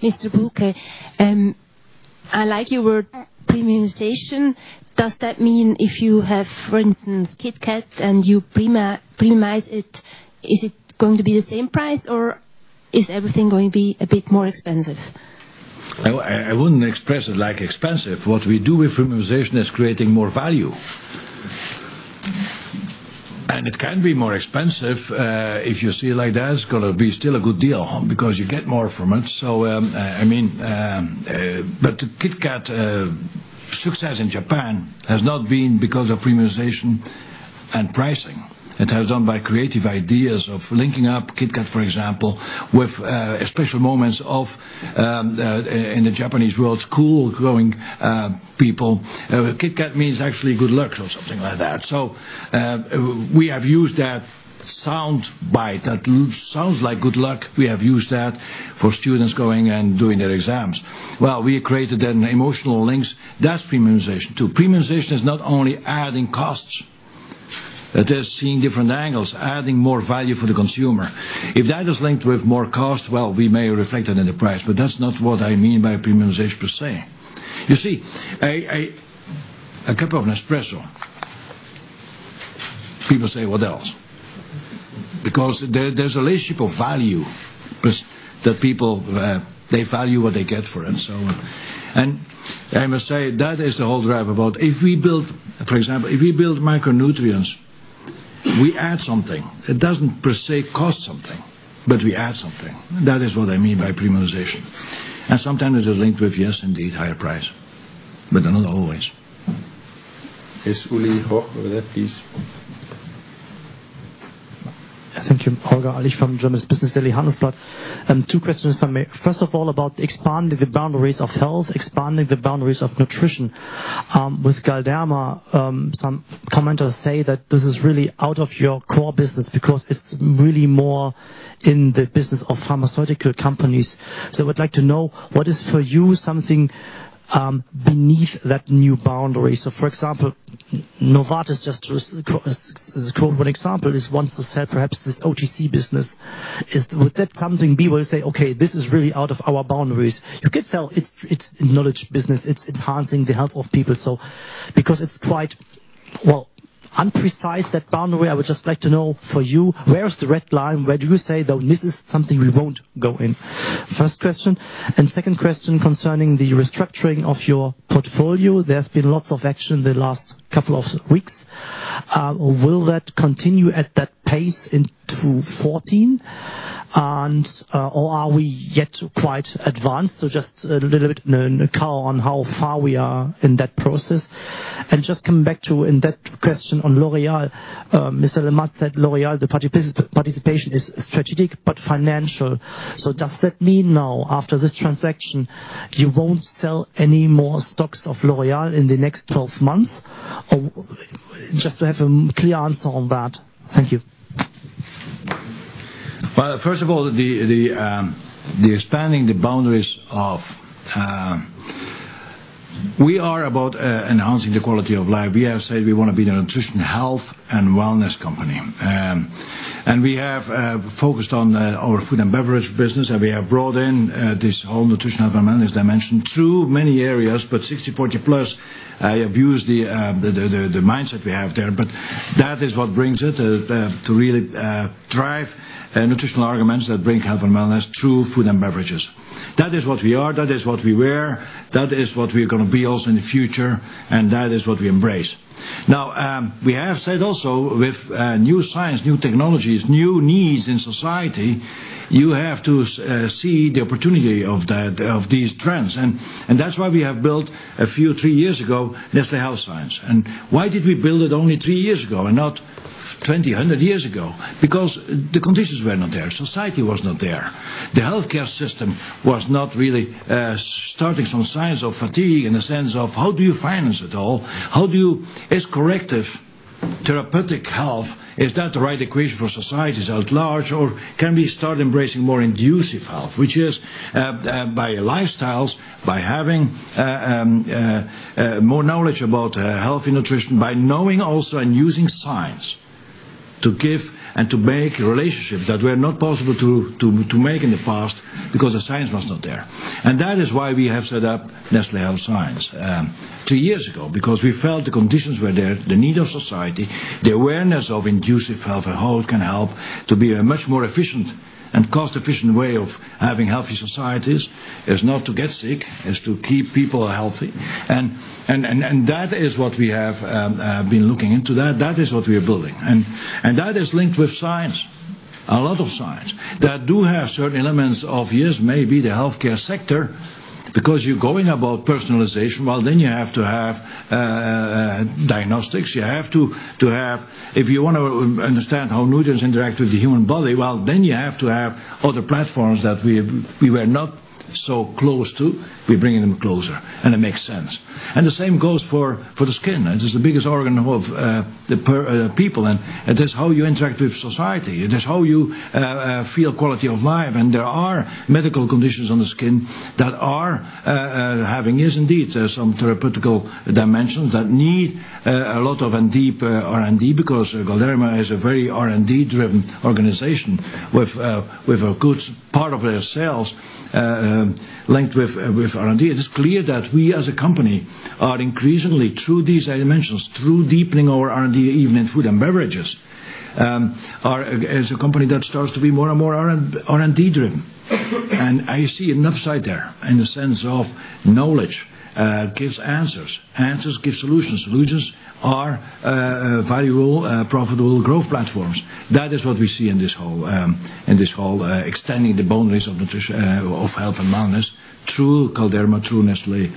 Mr. Bulcke, I like your word premiumization. Does that mean if you have, for instance, KitKat and you premiumize it, is it going to be the same price, or is everything going to be a bit more expensive? I wouldn't express it like expensive. What we do with premiumization is creating more value. It can be more expensive, if you see it like that, it's going to be still a good deal because you get more from it. KitKat success in Japan has not been because of premiumization and pricing. It has done by creative ideas of linking up KitKat, for example, with special moments of, in the Japanese world, school-going people. KitKat means actually good luck or something like that. We have used that sound bite that sounds like good luck. We have used that for students going and doing their exams. We created an emotional links. That's premiumization, too. Premiumization is not only adding costs. It is seeing different angles, adding more value for the consumer. If that is linked with more cost, well, we may reflect that in the price, but that's not what I mean by premiumization per se. You see, a cup of Nespresso, people say, "What else?" Because there's a relationship of value, because the people, they value what they get for it and so on. I must say, that is the whole drive about, for example, if we build micronutrients, we add something. It doesn't per se cost something, but we add something. That is what I mean by premiumization. Sometimes it is linked with, yes, indeed, higher price, but not always. Yes, Uli Hoch over there, please. Thank you. Holger Alich from German business daily, Handelsblatt. Two questions from me. First of all, about expanding the boundaries of health, expanding the boundaries of nutrition. With Galderma, some commenters say that this is really out of your core business because it's really more in the business of pharmaceutical companies. I'd like to know, what is for you something beneath that new boundary? For example, Novartis, just to quote one example, is one to say perhaps this OTC business. Would that be something we will say, "Okay, this is really out of our boundaries." You could tell it's knowledge business, it's enhancing the health of people. It's quite, well, imprecise, that boundary, I would just like to know for you, where's the red line? Where do you say, "This is something we won't go in?" First question. Second question concerning the restructuring of your portfolio. There's been lots of action in the last couple of weeks. Will that continue at that pace into 2014? Are we yet quite advanced? Just a little bit count on how far we are in that process. Just coming back to in that question on L'Oréal, Mr. Lemaitre said L'Oréal, the participation is strategic but financial. Does that mean now after this transaction, you won't sell any more stocks of L'Oréal in the next 12 months? Just to have a clear answer on that. Thank you. Well, first of all, We are about enhancing the quality of life. We have said we want to be the nutrition, health, and wellness company. We have focused on our food and beverage business, and we have brought in this whole nutrition, health, and wellness dimension through many areas, but 60/40+, I have used the mindset we have there. That is what brings it, to really drive nutritional arguments that bring health and wellness through food and beverages. That is what we are, that is what we were, that is what we're going to be also in the future, and that is what we embrace. Now, we have said also with new science, new technologies, new needs in society, you have to see the opportunity of these trends. That's why we have built a few 3 years ago, Nestlé Health Science. Why did we build it only 3 years ago and not 20, 100 years ago? Because the conditions were not there. Society was not there. The healthcare system was not really starting some signs of fatigue in the sense of how do you finance it all? Is corrective therapeutic health, is that the right equation for societies at large, or can we start embracing more inducive health? Which is by lifestyles, by having more knowledge about healthy nutrition, by knowing also and using science to give and to make relationships that were not possible to make in the past because the science was not there. That is why we have set up Nestlé Health Science 2 years ago, because we felt the conditions were there, the need of society, the awareness of inducive health and how it can help to be a much more efficient and cost-efficient way of having healthy societies, is not to get sick, is to keep people healthy. That is what we have been looking into. That is what we are building. That is linked with science, a lot of science, that do have certain elements of, yes, maybe the healthcare sector, because you're going about personalization, well, then you have to have diagnostics. If you want to understand how nutrients interact with the human body, well, then you have to have other platforms that we were not so close to. We're bringing them closer, and it makes sense. The same goes for the skin. It is the biggest organ of the people, and it is how you interact with society. It is how you feel quality of life. There are medical conditions on the skin that are having, yes, indeed, some therapeutical dimensions that need a lot of deep R&D because Galderma is a very R&D-driven organization with a good part of their sales linked with R&D. It is clear that we as a company are increasingly through these dimensions, through deepening our R&D, even food and beverages, as a company that starts to be more and more R&D-driven. I see an upside there in the sense of knowledge gives answers give solutions are valuable profitable growth platforms. That is what we see in this whole extending the boundaries of health and wellness through Galderma, through Nestlé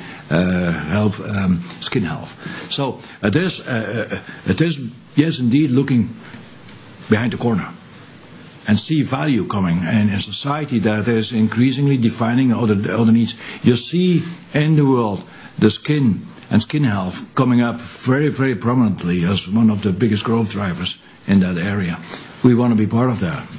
Skin Health. It is, yes, indeed, looking behind the corner and see value coming, and a society that is increasingly defining other needs. You see in the world, the skin and skin health coming up very prominently as one of the biggest growth drivers in that area. We want to be part of that.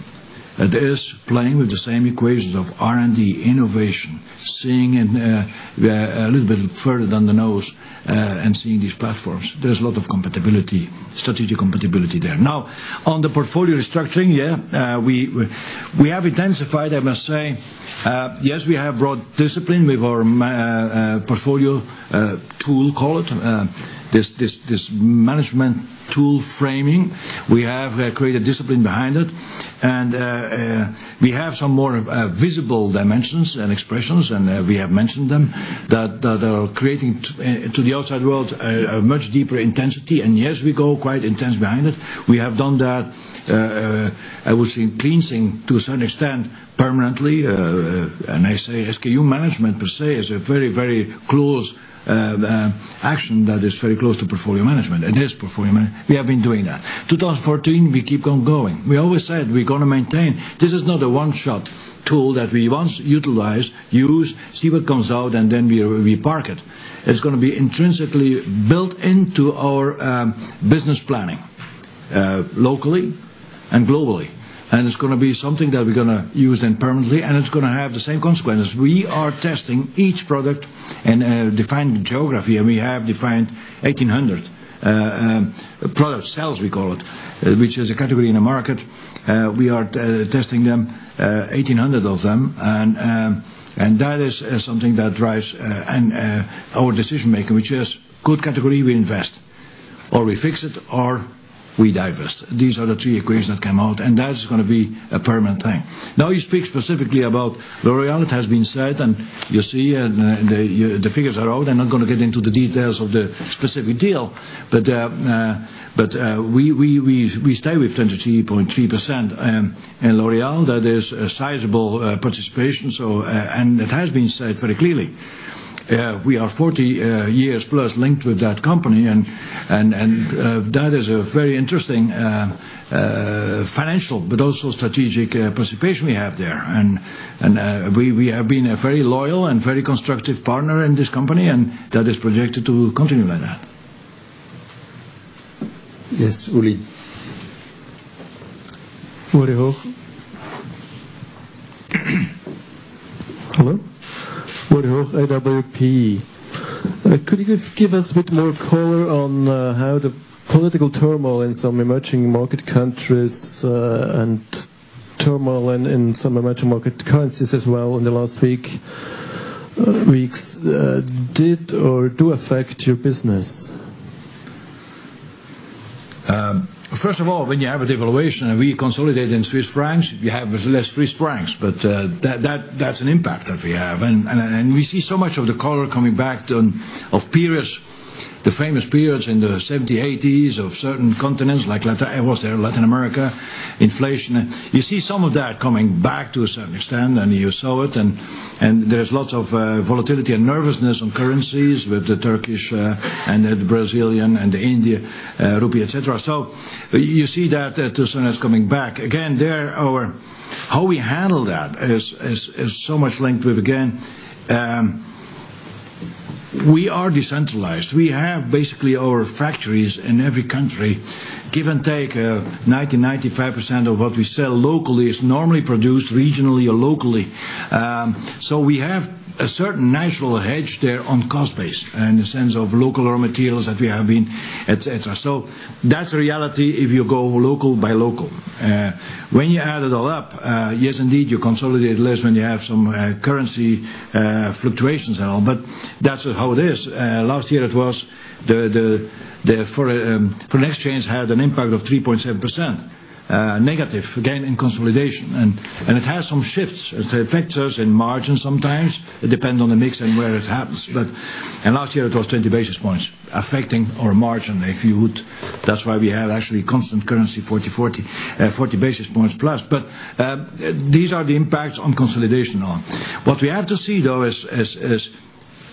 That is playing with the same equations of R&D, innovation, seeing a little bit further than the nose, and seeing these platforms. There's a lot of strategic compatibility there. On the portfolio restructuring, we have intensified, I must say. Yes, we have brought discipline with our portfolio tool, call it, this management tool framing. We have created discipline behind it. We have some more visible dimensions and expressions, and we have mentioned them, that are creating to the outside world a much deeper intensity. Yes, we go quite intense behind it. We have done that, I would say, cleansing to a certain extent permanently. I say SKU management per se is a very close action that is very close to portfolio management. It is portfolio management. We have been doing that. 2014, we keep on going. We always said we're going to maintain. This is not a one-shot tool that we once utilize, use, see what comes out, and then we park it. It's going to be intrinsically built into our business planning. Locally and globally. It's going to be something that we're going to use then permanently, and it's going to have the same consequence. We are testing each product in a defined geography, and we have defined 1,800 product sales, we call it, which is a category in the market. We are testing them, 1,800 of them. That is something that drives our decision-making, which is: good category, we invest, or we fix it, or we divest. These are the three equations that came out, and that's going to be a permanent thing. You speak specifically about L'Oréal. It has been said, and you see, the figures are out. I'm not going to get into the details of the specific deal. We stay with 23.3%. In L'Oréal, that is a sizable participation, and it has been said very clearly. We are 40 years-plus linked with that company, and that is a very interesting financial but also strategic participation we have there. We have been a very loyal and very constructive partner in this company, and that is projected to continue like that. Yes, Uli. Hello? [Uli Hoch], AWP. Could you give us a bit more color on how the political turmoil in some emerging market countries, and turmoil in some emerging market currencies as well in the last few weeks, did or do affect your business? First of all, when you have a devaluation, we consolidate in CHF, you have less CHF. That's an impact that we have. We see so much of the color coming back of the famous periods in the 1970s, 1980s of certain continents, like Latin America, inflation. You see some of that coming back to a certain extent, you saw it, there's lots of volatility and nervousness on currencies with the Turkish and the Brazilian and the Indian rupee, et cetera. You see that as soon as coming back. Again, how we handle that is so much linked with, again, we are decentralized. We have basically our factories in every country. Give and take, 90%-95% of what we sell locally is normally produced regionally or locally. We have a certain natural hedge there on cost base in the sense of local raw materials that we have been, et cetera. That's reality if you go local by local. When you add it all up, yes, indeed, you consolidate less when you have some currency fluctuations and all, but that's how it is. Last year, it was the foreign exchange had an impact of 3.7% negative, again, in consolidation. It has some shifts. It affects us in margin sometimes. It depends on the mix and where it happens. Last year, it was 20 basis points affecting our margin, if you would. That's why we had actually constant currency, 40 basis points plus. These are the impacts on consolidation. What we have to see, though, is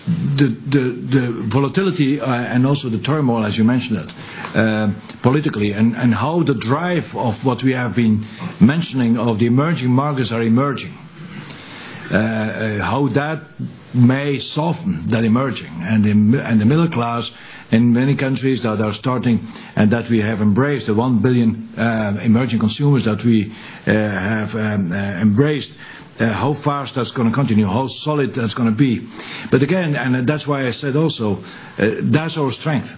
the volatility and also the turmoil, as you mentioned it, politically, and how the drive of what we have been mentioning of the emerging markets are emerging. How that may soften that emerging, and the middle class in many countries that are starting and that we have embraced, the 1 billion emerging consumers that we have embraced, how fast that's going to continue, how solid that's going to be. Again, and that's why I said also, that's our strength.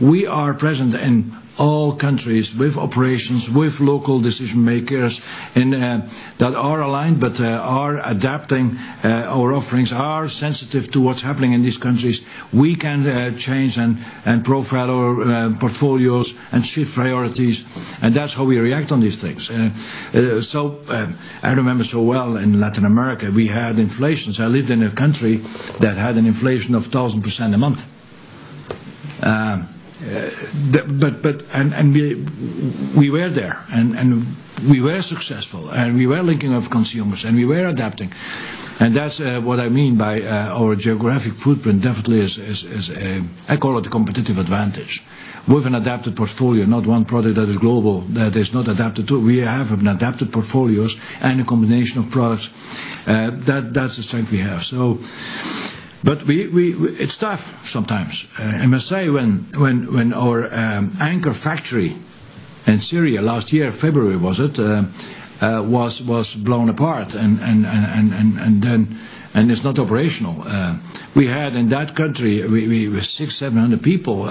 We are present in all countries with operations, with local decision-makers, and that are aligned but are adapting our offerings, are sensitive to what's happening in these countries. We can change and profile our portfolios and shift priorities, and that's how we react on these things. I remember so well in Latin America, we had inflations. I lived in a country that had an inflation of 1,000% a month. We were there, and we were successful, and we were linking up consumers, and we were adapting. That's what I mean by our geographic footprint definitely is, I call it competitive advantage. With an adapted portfolio, not one product that is global, that is not adapted to. We have adapted portfolios and a combination of products. That's the strength we have. It's tough sometimes. I must say, when our anchor factory in Syria, last year, February was it, was blown apart, and it's not operational. We had in that country, we were 600, 700 people.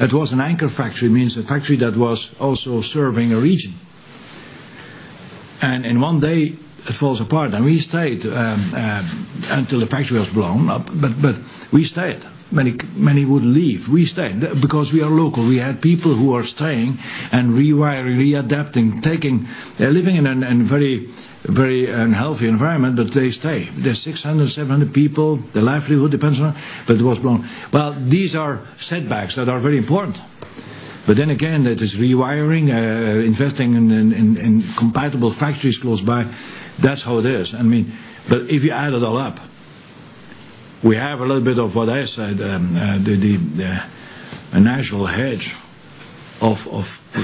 It was an anchor factory, means a factory that was also serving a region. In one day, it falls apart. We stayed until the factory was blown up, but we stayed. Many would leave. We stayed because we are local. We had people who are staying and rewiring, readapting, taking a living in a very unhealthy environment, but they stay. There's 600, 700 people. Their livelihood depends on it was blown. These are setbacks that are very important. Then again, that is rewiring, investing in compatible factories close by. That's how it is. If you add it all up, we have a little bit of what I said, a natural hedge of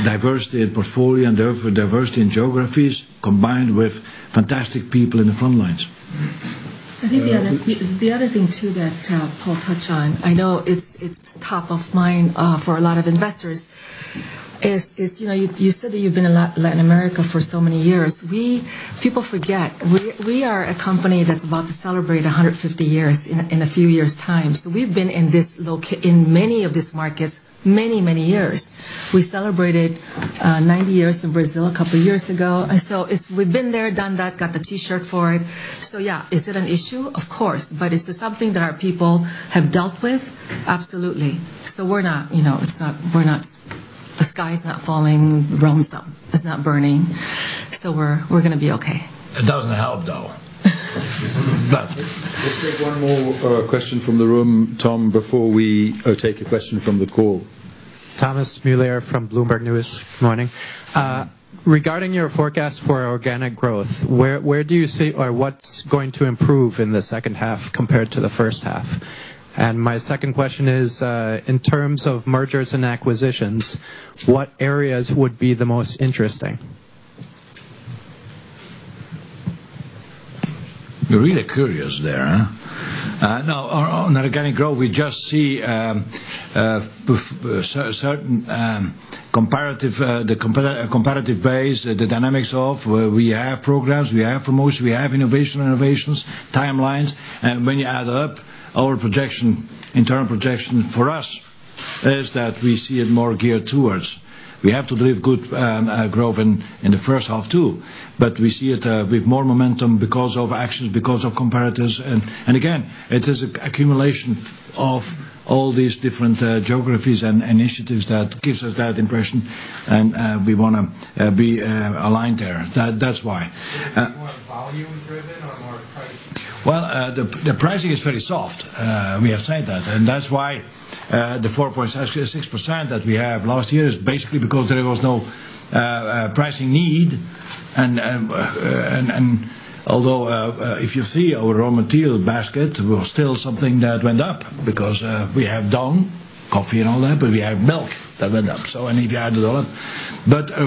diversity in portfolio and therefore diversity in geographies combined with fantastic people in the front lines. I think the other thing too that Paul touched on, I know it's top of mind for a lot of investors, is you said that you've been in Latin America for so many years. People forget, we are a company that's about to celebrate 150 years in a few years' time. We've been in many of these markets many years. We celebrated 90 years in Brazil a couple years ago. We've been there, done that, got the T-shirt for it. Yeah, is it an issue? Of course. Is it something that our people have dealt with? Absolutely. The sky's not falling. Rome is not burning. We're going to be okay. It doesn't help, though. Let's take one more question from the room, Tom, before we take a question from the call. Thomas Mulier from Bloomberg News. Morning. Regarding your forecast for organic growth, where do you see, or what's going to improve in the second half compared to the first half? My second question is, in terms of mergers and acquisitions, what areas would be the most interesting? You're really curious there, huh? No, on organic growth, we just see certain comparative base, the dynamics of where we have programs, we have promotions, we have innovations, timelines. When you add up our internal projection for us, is that we see it more geared towards, we have to deliver good growth in the first half, too. We see it with more momentum because of actions, because of comparatives, and again, it is accumulation of all these different geographies and initiatives that gives us that impression, and we want to be aligned there. That's why. Will it be more volume driven or more price? Well, the pricing is very soft. We have said that, and that's why the 4.6% that we have last year is basically because there was no pricing need. Although if you see our raw material basket, it was still something that went up because we have down coffee and all that, but we have milk that went up, so and if you add it all up.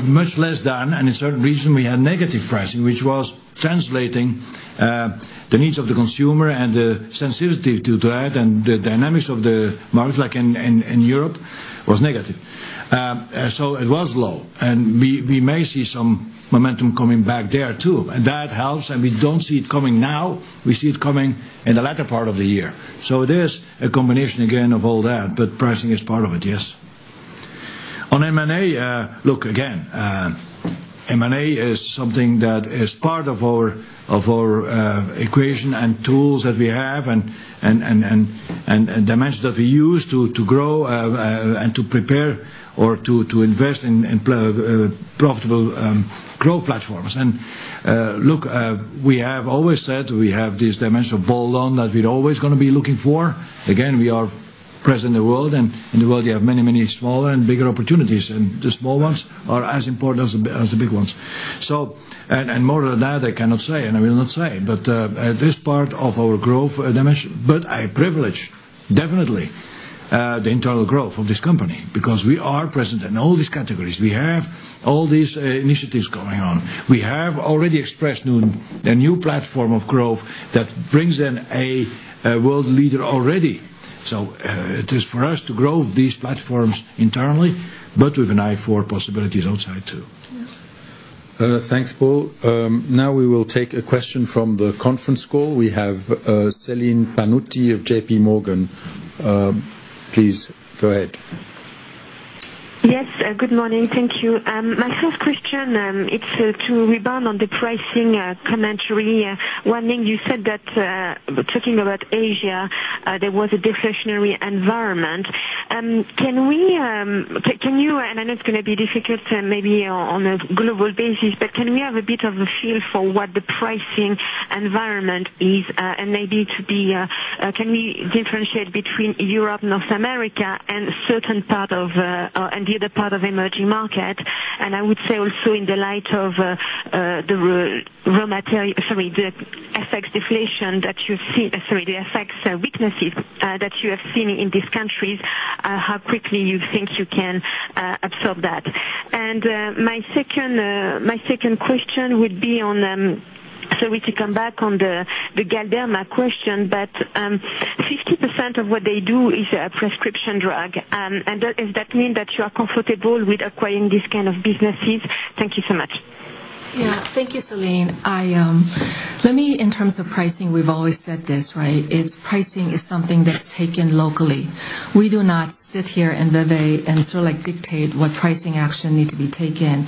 Much less than, and in certain region, we had negative pricing, which was translating the needs of the consumer and the sensitivity to that and the dynamics of the market like in Europe was negative. It was low, and we may see some momentum coming back there, too. That helps, and we don't see it coming now. We see it coming in the latter part of the year. It is a combination again of all that, but pricing is part of it, yes. On M&A, look, again, M&A is something that is part of our equation and tools that we have and dimension that we use to grow and to prepare or to invest in profitable growth platforms. Look, we have always said we have this dimension of bolt on that we're always going to be looking for. Again, we are present in the world, and in the world you have many smaller and bigger opportunities, and the small ones are as important as the big ones. More than that, I cannot say, and I will not say, but this part of our growth dimension. I privilege, definitely, the internal growth of this company because we are present in all these categories. We have all these initiatives going on. We have already expressed a new platform of growth that brings in a world leader already. It is for us to grow these platforms internally, but with an eye for possibilities outside, too. Yes. Thanks, Paul. Now we will take a question from the conference call. We have Celine Pannuti of JPMorgan. Please go ahead. Yes, good morning. Thank you. My first question, it's to rebound on the pricing commentary. One thing you said, talking about Asia, there was a deflationary environment. I know it's going to be difficult maybe on a global basis, but can we have a bit of a feel for what the pricing environment is? Maybe can we differentiate between Europe, North America, and the other part of emerging market? I would say also in the light of the FX weaknesses that you have seen in these countries, how quickly you think you can absorb that. My second question would be on, sorry to come back on the Galderma question, but 50% of what they do is a prescription drug. Does that mean that you are comfortable with acquiring these kind of businesses? Thank you so much. Thank you, Celine. In terms of pricing, we've always said this, right? Pricing is something that's taken locally. We do not sit here in Vevey and sort of dictate what pricing action needs to be taken.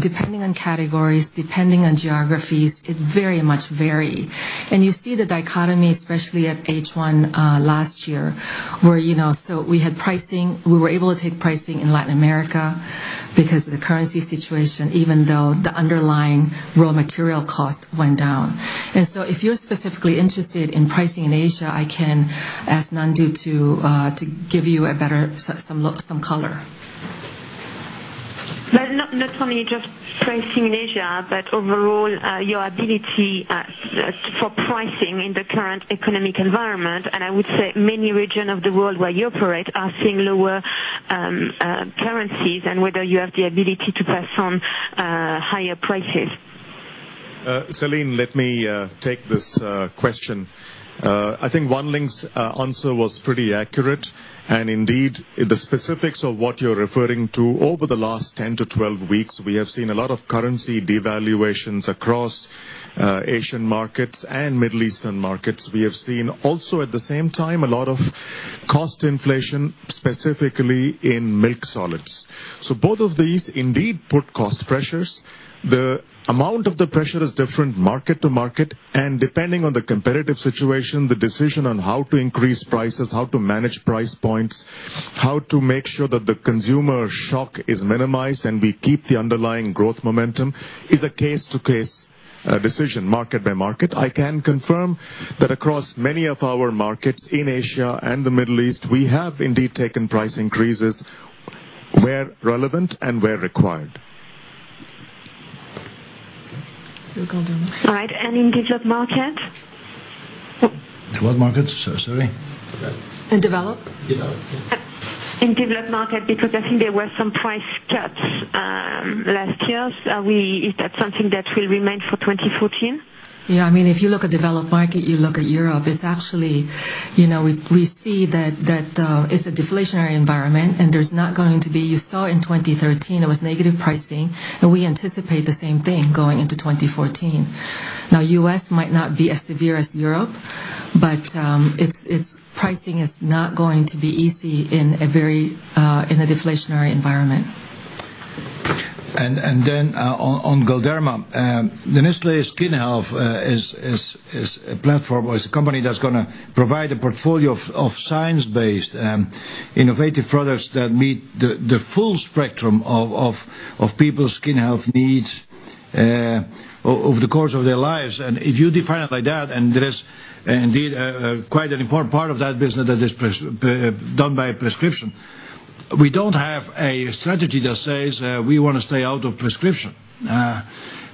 Depending on categories, depending on geographies, it very much vary. You see the dichotomy, especially at H1 last year, where we were able to take pricing in Latin America because of the currency situation, even though the underlying raw material cost went down. If you're specifically interested in pricing in Asia, I can ask Nandu to give you some color. Not only just pricing in Asia, but overall, your ability for pricing in the current economic environment, I would say many region of the world where you operate are seeing lower currencies and whether you have the ability to pass on higher prices. Celine, let me take this question. I think Wan Ling's answer was pretty accurate, and indeed, the specifics of what you're referring to over the last 10-12 weeks, we have seen a lot of currency devaluations across Asian markets and Middle Eastern markets. We have seen also, at the same time, a lot of cost inflation, specifically in milk solids. Both of these indeed put cost pressures. The amount of the pressure is different market to market, and depending on the competitive situation, the decision on how to increase prices, how to manage price points, how to make sure that the consumer shock is minimized, and we keep the underlying growth momentum, is a case to case decision, market by market. I can confirm that across many of our markets in Asia and the Middle East, we have indeed taken price increases where relevant and where required. You go down. All right, in developed market? Developed markets? Sorry. In developed. In developed market, because I think there were some price cuts last year. Is that something that will remain for 2014? Yeah. If you look at developed market, you look at Europe, we see that it's a deflationary environment. You saw in 2013, there was negative pricing, and we anticipate the same thing going into 2014. U.S. might not be as severe as Europe, but its pricing is not going to be easy in a deflationary environment. On Galderma. The Nestlé Skin Health is a platform, or is a company that's going to provide a portfolio of science-based innovative products that meet the full spectrum of people's skin health needs over the course of their lives. If you define it like that, and there is indeed quite an important part of that business that is done by prescription. We don't have a strategy that says we want to stay out of prescription.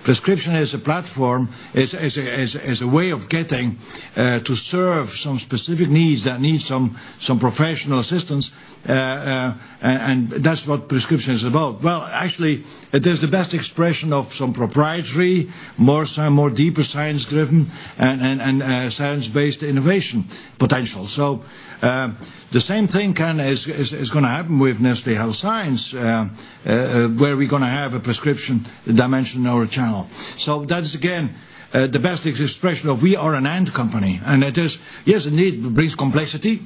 Prescription is a platform, is a way of getting to serve some specific needs that need some professional assistance, and that's what prescription is about. Well, actually, it is the best expression of some proprietary, more deeper science driven and science-based innovation potential. The same thing is going to happen with Nestlé Health Science, where we're going to have a prescription dimension in our channel. That is again, the best expression of we are an and company, and it is, yes, indeed, it brings complexity.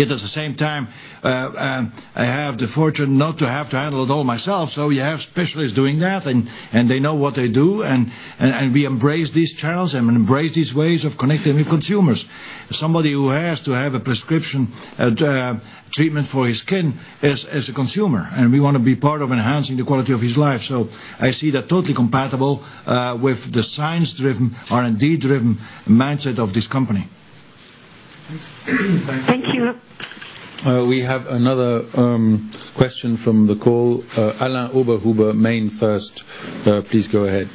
At the same time, I have the fortune not to have to handle it all myself. You have specialists doing that, and they know what they do, and we embrace these channels and embrace these ways of connecting with consumers. Somebody who has to have a prescription treatment for his skin is a consumer, and we want to be part of enhancing the quality of his life. I see that totally compatible with the science driven, R&D driven mindset of this company. Thank you. We have another question from the call. Alain Oberhuber, MainFirst. Please go ahead.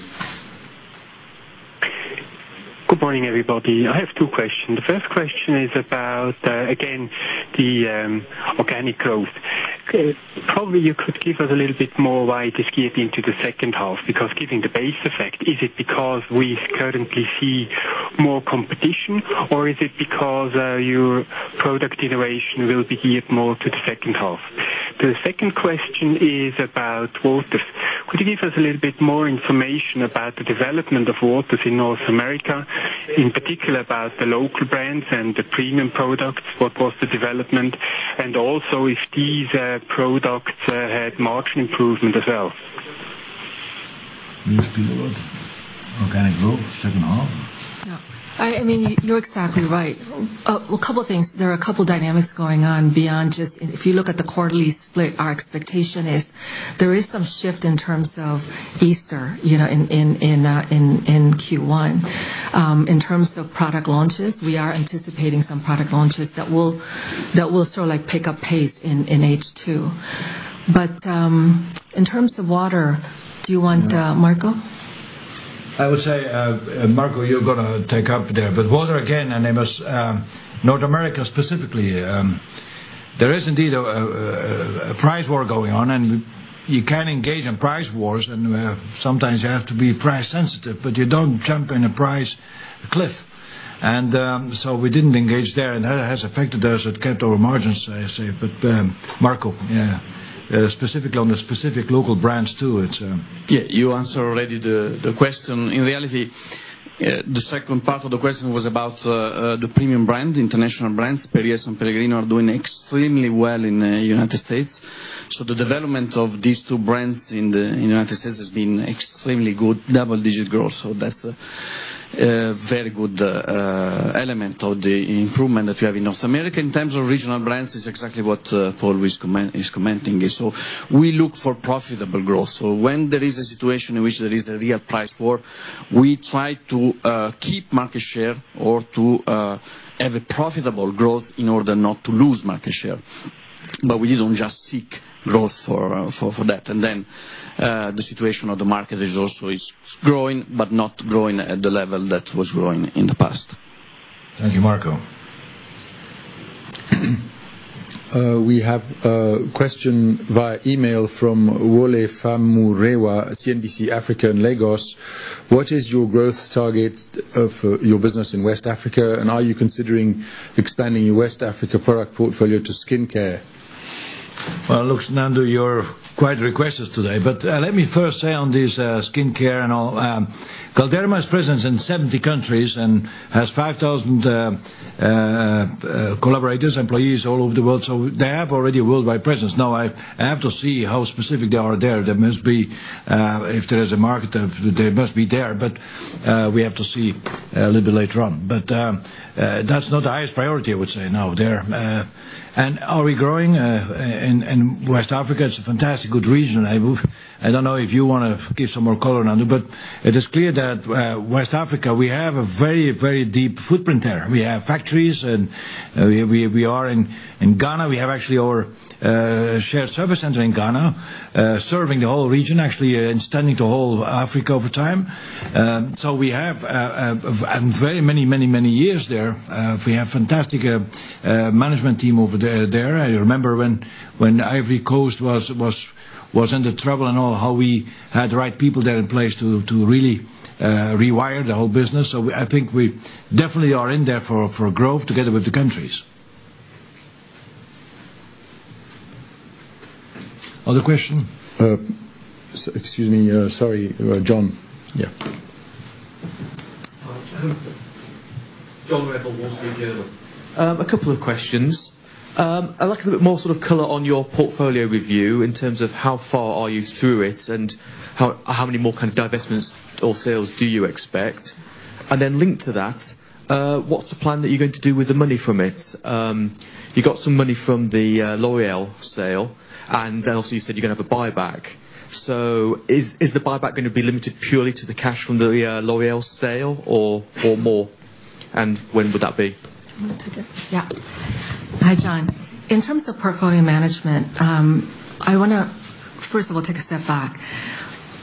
Good morning, everybody. I have two questions. The first question is about, again, the organic growth. Probably you could give us a little bit more why it is geared into the second half, because given the base effect, is it because we currently see more competition, or is it because your product iteration will be geared more to the second half? The second question is about waters. Could you give us a little bit more information about the development of waters in North America, in particular about the local brands and the premium products, what was the development, and also if these products had margin improvement as well? Where is the world? Organic growth, second half. Yeah. You're exactly right. A couple of things. There are a couple of dynamics going on beyond just if you look at the quarterly split, our expectation is there is some shift in terms of Easter in Q1. In terms of product launches, we are anticipating some product launches that will sort of pick up pace in H2. In terms of water, do you want Marco? I would say, Marco, you're going to take up there. Water again, and North America specifically, there is indeed a price war going on, and you can engage in price wars, and sometimes you have to be price sensitive, but you don't jump in a price cliff. We didn't engage there, and that has affected us. It kept our margins safe. Marco on the specific local brands too. Yeah, you answered already the question. In reality, the second part of the question was about the premium brand, international brands. Perrier and S.Pellegrino are doing extremely well in the United States. The development of these two brands in the United States has been extremely good. Double-digit growth. That's a very good element of the improvement that we have in North America. In terms of regional brands, it's exactly what Paul is commenting. We look for profitable growth. When there is a situation in which there is a real price war, we try to keep market share or to have a profitable growth in order not to lose market share. We don't just seek growth for that. The situation of the market is also it's growing, but not growing at the level that was growing in the past. Thank you, Marco. We have a question via email from Wole Famurewa, CNBC Africa in Lagos. What is your growth target of your business in West Africa, and are you considering expanding your West Africa product portfolio to skincare? Well, look, Nandu, you're quite requested today. Let me first say on this skincare and all, Galderma's presence in 70 countries and has 5,000 collaborators, employees all over the world. They have already worldwide presence. Now, I have to see how specific they are there. If there is a market there, they must be there, but we have to see a little bit later on. That's not the highest priority, I would say now there. Are we growing? West Africa is a fantastic good region. I don't know if you want to give some more color, Nandu, but it is clear that West Africa, we have a very deep footprint there. We have factories, and we are in Ghana. We have actually our shared service center in Ghana, serving the whole region, actually extending to whole of Africa over time. We have a very many years there. We have fantastic management team over there. I remember when Ivory Coast was under trouble and all, how we had the right people there in place to really rewire the whole business. I think we definitely are in there for growth together with the countries. Other question? Excuse me. Sorry, John. Yeah. John Revill, Wall Street Journal. A couple of questions. I'd like a bit more sort of color on your portfolio review in terms of how far are you through it, and how many more kind of divestments or sales do you expect? Linked to that, what's the plan that you're going to do with the money from it? You got some money from the L'Oréal sale, and also you said you're going to have a buyback. Is the buyback going to be limited purely to the cash from the L'Oréal sale or more, and when would that be? You want to take it? Yeah. Hi, John. In terms of portfolio management, I want to first of all take a step back.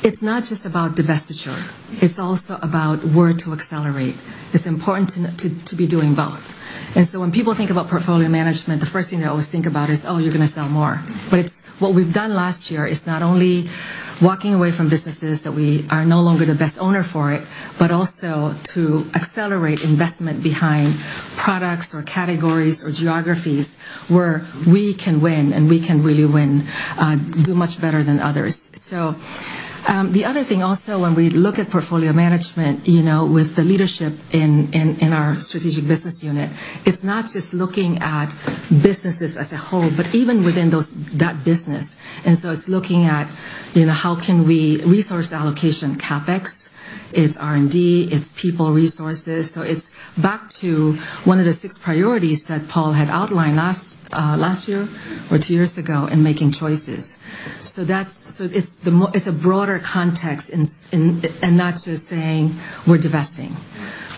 It's not just about divestiture. It's also about where to accelerate. It's important to be doing both. When people think about portfolio management, the first thing they always think about is, oh, you're going to sell more. What we've done last year is not only walking away from businesses that we are no longer the best owner for it, but also to accelerate investment behind products or categories or geographies where we can win, and we can really win, do much better than others. The other thing also, when we look at portfolio management with the leadership in our strategic business unit, it's not just looking at businesses as a whole, but even within that business. It's looking at how can we resource the allocation CapEx. It's R&D. It's people resources. It's back to one of the six priorities that Paul had outlined last year or 2 years ago in making choices. It's a broader context and not just saying we're divesting.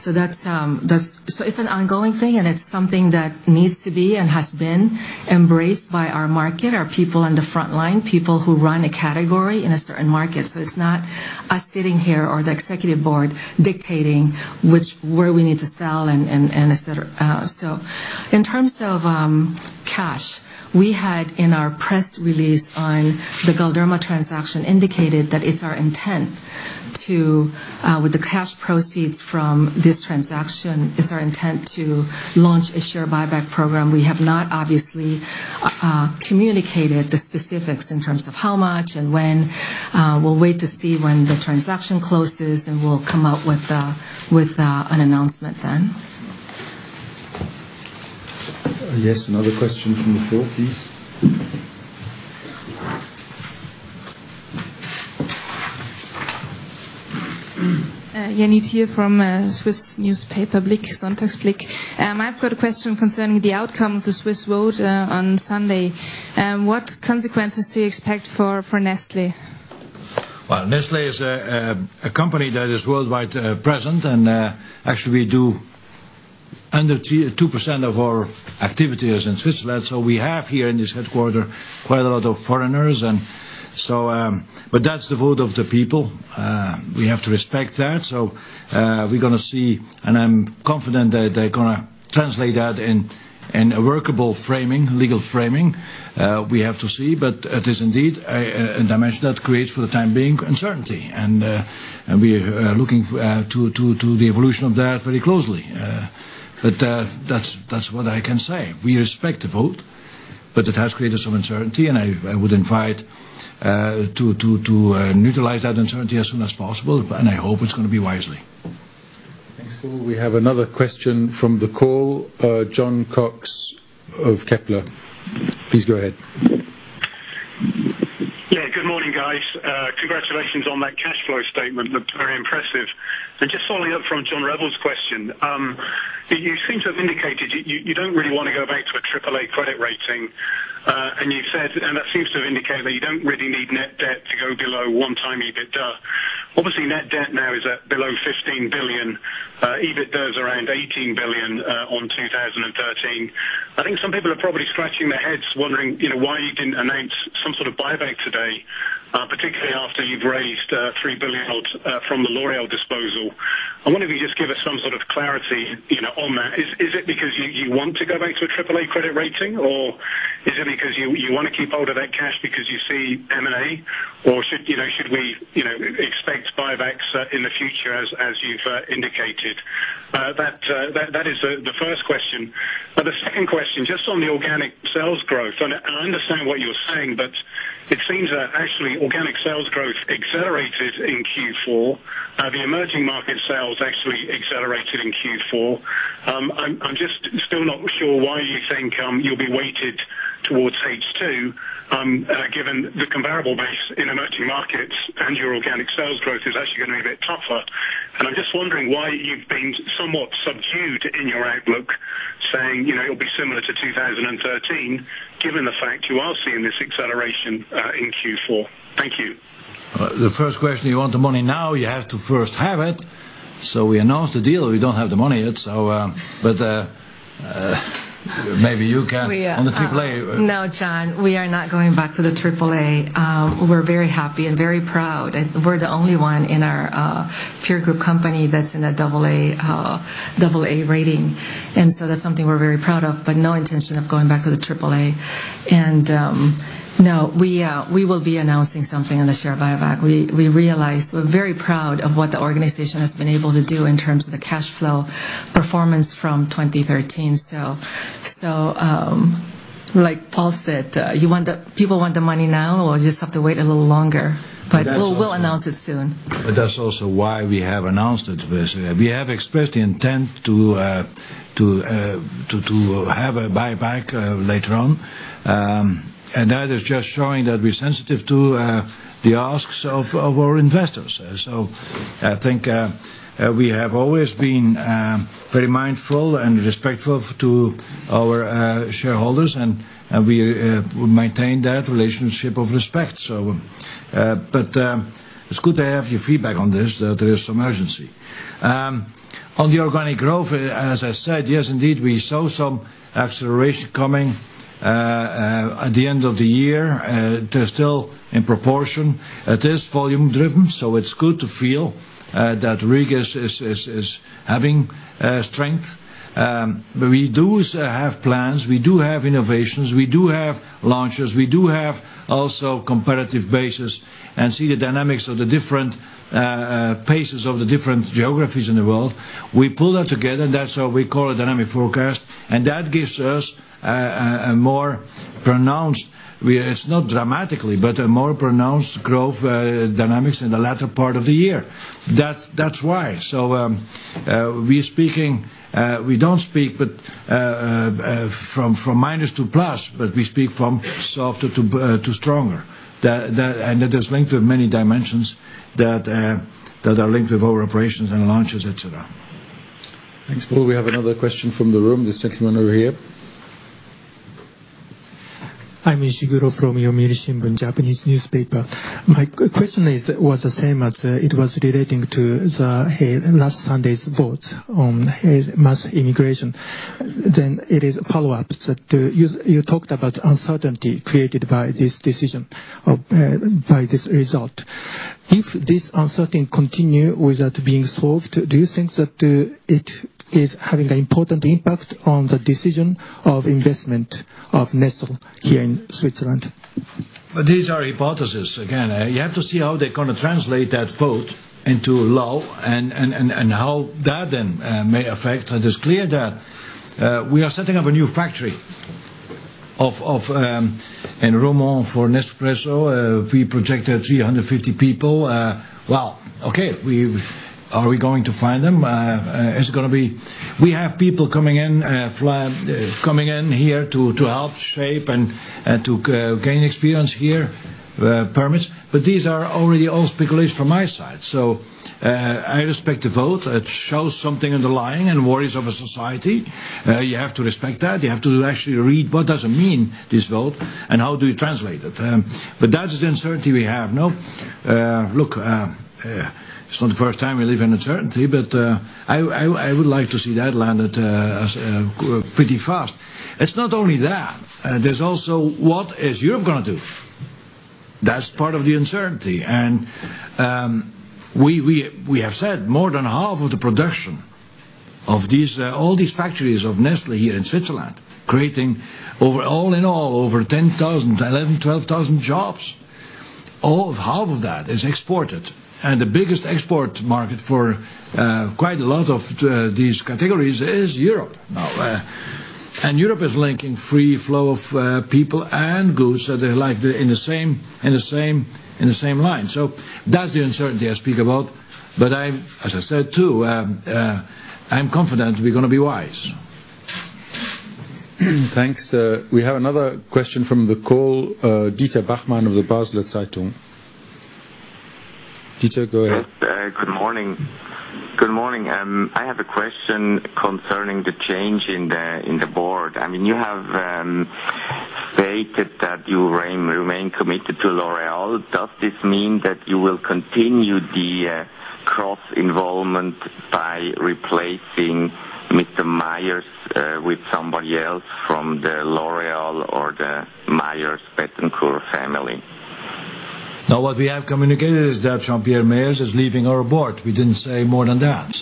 It's an ongoing thing, and it's something that needs to be and has been embraced by our market, our people on the front line, people who run a category in a certain market. It's not us sitting here or the executive board dictating where we need to sell and et cetera. In terms of cash, we had in our press release on the Galderma transaction indicated that it's our intent to, with the cash proceeds from this transaction, it's our intent to launch a share buyback program. We have not obviously communicated the specifics in terms of how much and when. We'll wait to see when the transaction closes, and we'll come out with an announcement then. Yes, another question from the floor, please. Janit here from Swiss newspaper, "SonntagsBlick." I've got a question concerning the outcome of the Swiss vote on Sunday. What consequences do you expect for Nestlé? Well, Nestlé is a company that is worldwide present, and actually we do under 2% of our activity is in Switzerland. We have here in this headquarter quite a lot of foreigners. That's the vote of the people. We have to respect that. We're going to see, and I'm confident that they're going to translate that in a workable framing, legal framing. We have to see, but it is indeed a dimension that creates for the time being uncertainty. We are looking to the evolution of that very closely. That's what I can say. We respect the vote, but it has created some uncertainty, and I would invite to neutralize that uncertainty as soon as possible, and I hope it's going to be wisely. Thanks, Paul. We have another question from the call. Jon Cox of Kepler. Please go ahead. Yeah, good morning, guys. Congratulations on that cash flow statement, looked very impressive. Just following up from John Revell's question. You seem to have indicated you don't really want to go back to a AAA credit rating. That seems to have indicated that you don't really need net debt to go below 1 time EBITDA. Obviously, net debt now is at below 15 billion. EBITDA's around 18 billion on 2013. I think some people are probably scratching their heads wondering why you didn't announce some sort of buyback today, particularly after you've raised 3 billion from the L'Oréal disposal. I wonder if you just give us some sort of clarity on that? Is it because you want to go back to a AAA credit rating, or is it because you want to keep hold of that cash because you see M&A, or should we expect buybacks in the future as you've indicated? That is the first question. The second question, just on the organic sales growth, and I understand what you're saying, but it seems that actually organic sales growth accelerated in Q4. The emerging market sales actually accelerated in Q4. I'm just still not sure why you think you'll be weighted towards H2, given the comparable base in emerging markets and your organic sales growth is actually going to be a bit tougher. I'm just wondering why you've been somewhat subdued in your outlook saying it'll be similar to 2013, given the fact you are seeing this acceleration in Q4. Thank you. The first question, you want the money now, you have to first have it. We announced the deal, we don't have the money yet. Maybe you can on the triple A. No, John, we are not going back to the triple A. We are very happy and very proud. We are the only one in our peer group company that is in a double A rating. That is something we are very proud of, but no intention of going back to the triple A. No, we will be announcing something on the share buyback. We realize we are very proud of what the organization has been able to do in terms of the cash flow performance from 2013. Like Paul said, people want the money now or just have to wait a little longer. We will announce it soon. That is also why we have announced it. We have expressed the intent to have a buyback later on. That is just showing that we are sensitive to the asks of our investors. I think we have always been very mindful and respectful to our shareholders, and we would maintain that relationship of respect. It is good to have your feedback on this, that there is some urgency. On the organic growth, as I said, yes, indeed, we saw some acceleration coming at the end of the year. They are still in proportion. It is volume driven, so it is good to feel that RIG is having strength. We do have plans, we do have innovations, we do have launches. We do have also competitive basis and see the dynamics of the different paces of the different geographies in the world. We pull that together. That is what we call a dynamic forecast, that gives us a more pronounced, it is not dramatically, but a more pronounced growth dynamics in the latter part of the year. That is why. We don't speak from minus to plus, we speak from softer to stronger. That is linked with many dimensions that are linked with our operations and launches, et cetera. Thanks, Paul. We have another question from the room. This gentleman over here. I'm Ishiguro from Yomiuri Shimbun, Japanese newspaper. My question was the same as it was relating to the last Sunday's vote on mass immigration. It is a follow-up that you talked about uncertainty created by this decision, by this result. If this uncertainty continues without being solved, do you think that it is having an important impact on the decision of investment of Nestlé here in Switzerland? These are hypotheses. You have to see how they're going to translate that vote into law and how that then may affect. It is clear that we are setting up a new factory in Romont for Nespresso. We projected 350 people. Okay, are we going to find them? We have people coming in here to help shape and to gain experience here, permits. These are already all speculations from my side. I respect the vote. It shows something underlying and worries of a society. You have to respect that. You have to actually read what does it mean, this vote, and how do you translate it? That's the uncertainty we have. It's not the first time we live in uncertainty, but I would like to see that landed pretty fast. It's not only that. There's also what is Europe going to do? That's part of the uncertainty. We have said more than half of the production of all these factories of Nestlé here in Switzerland, creating all in all, over 10,000, 11,000, 12,000 jobs. Half of that is exported, and the biggest export market for quite a lot of these categories is Europe now. Europe is linking free flow of people and goods, they like in the same line. That's the uncertainty I speak about. As I said, too, I'm confident we're going to be wise. Thanks. We have another question from the call. Dieter Bachmann of the Basler Zeitung. Dieter, go ahead. Good morning. I have a question concerning the change in the board. You have stated that you will remain committed to L'Oréal. Does this mean that you will continue the cross involvement by replacing Mr. Meyers with somebody else from the L'Oréal or the Meyers Bettencourt family? What we have communicated is that Jean-Pierre Meyers is leaving our board. We didn't say more than that.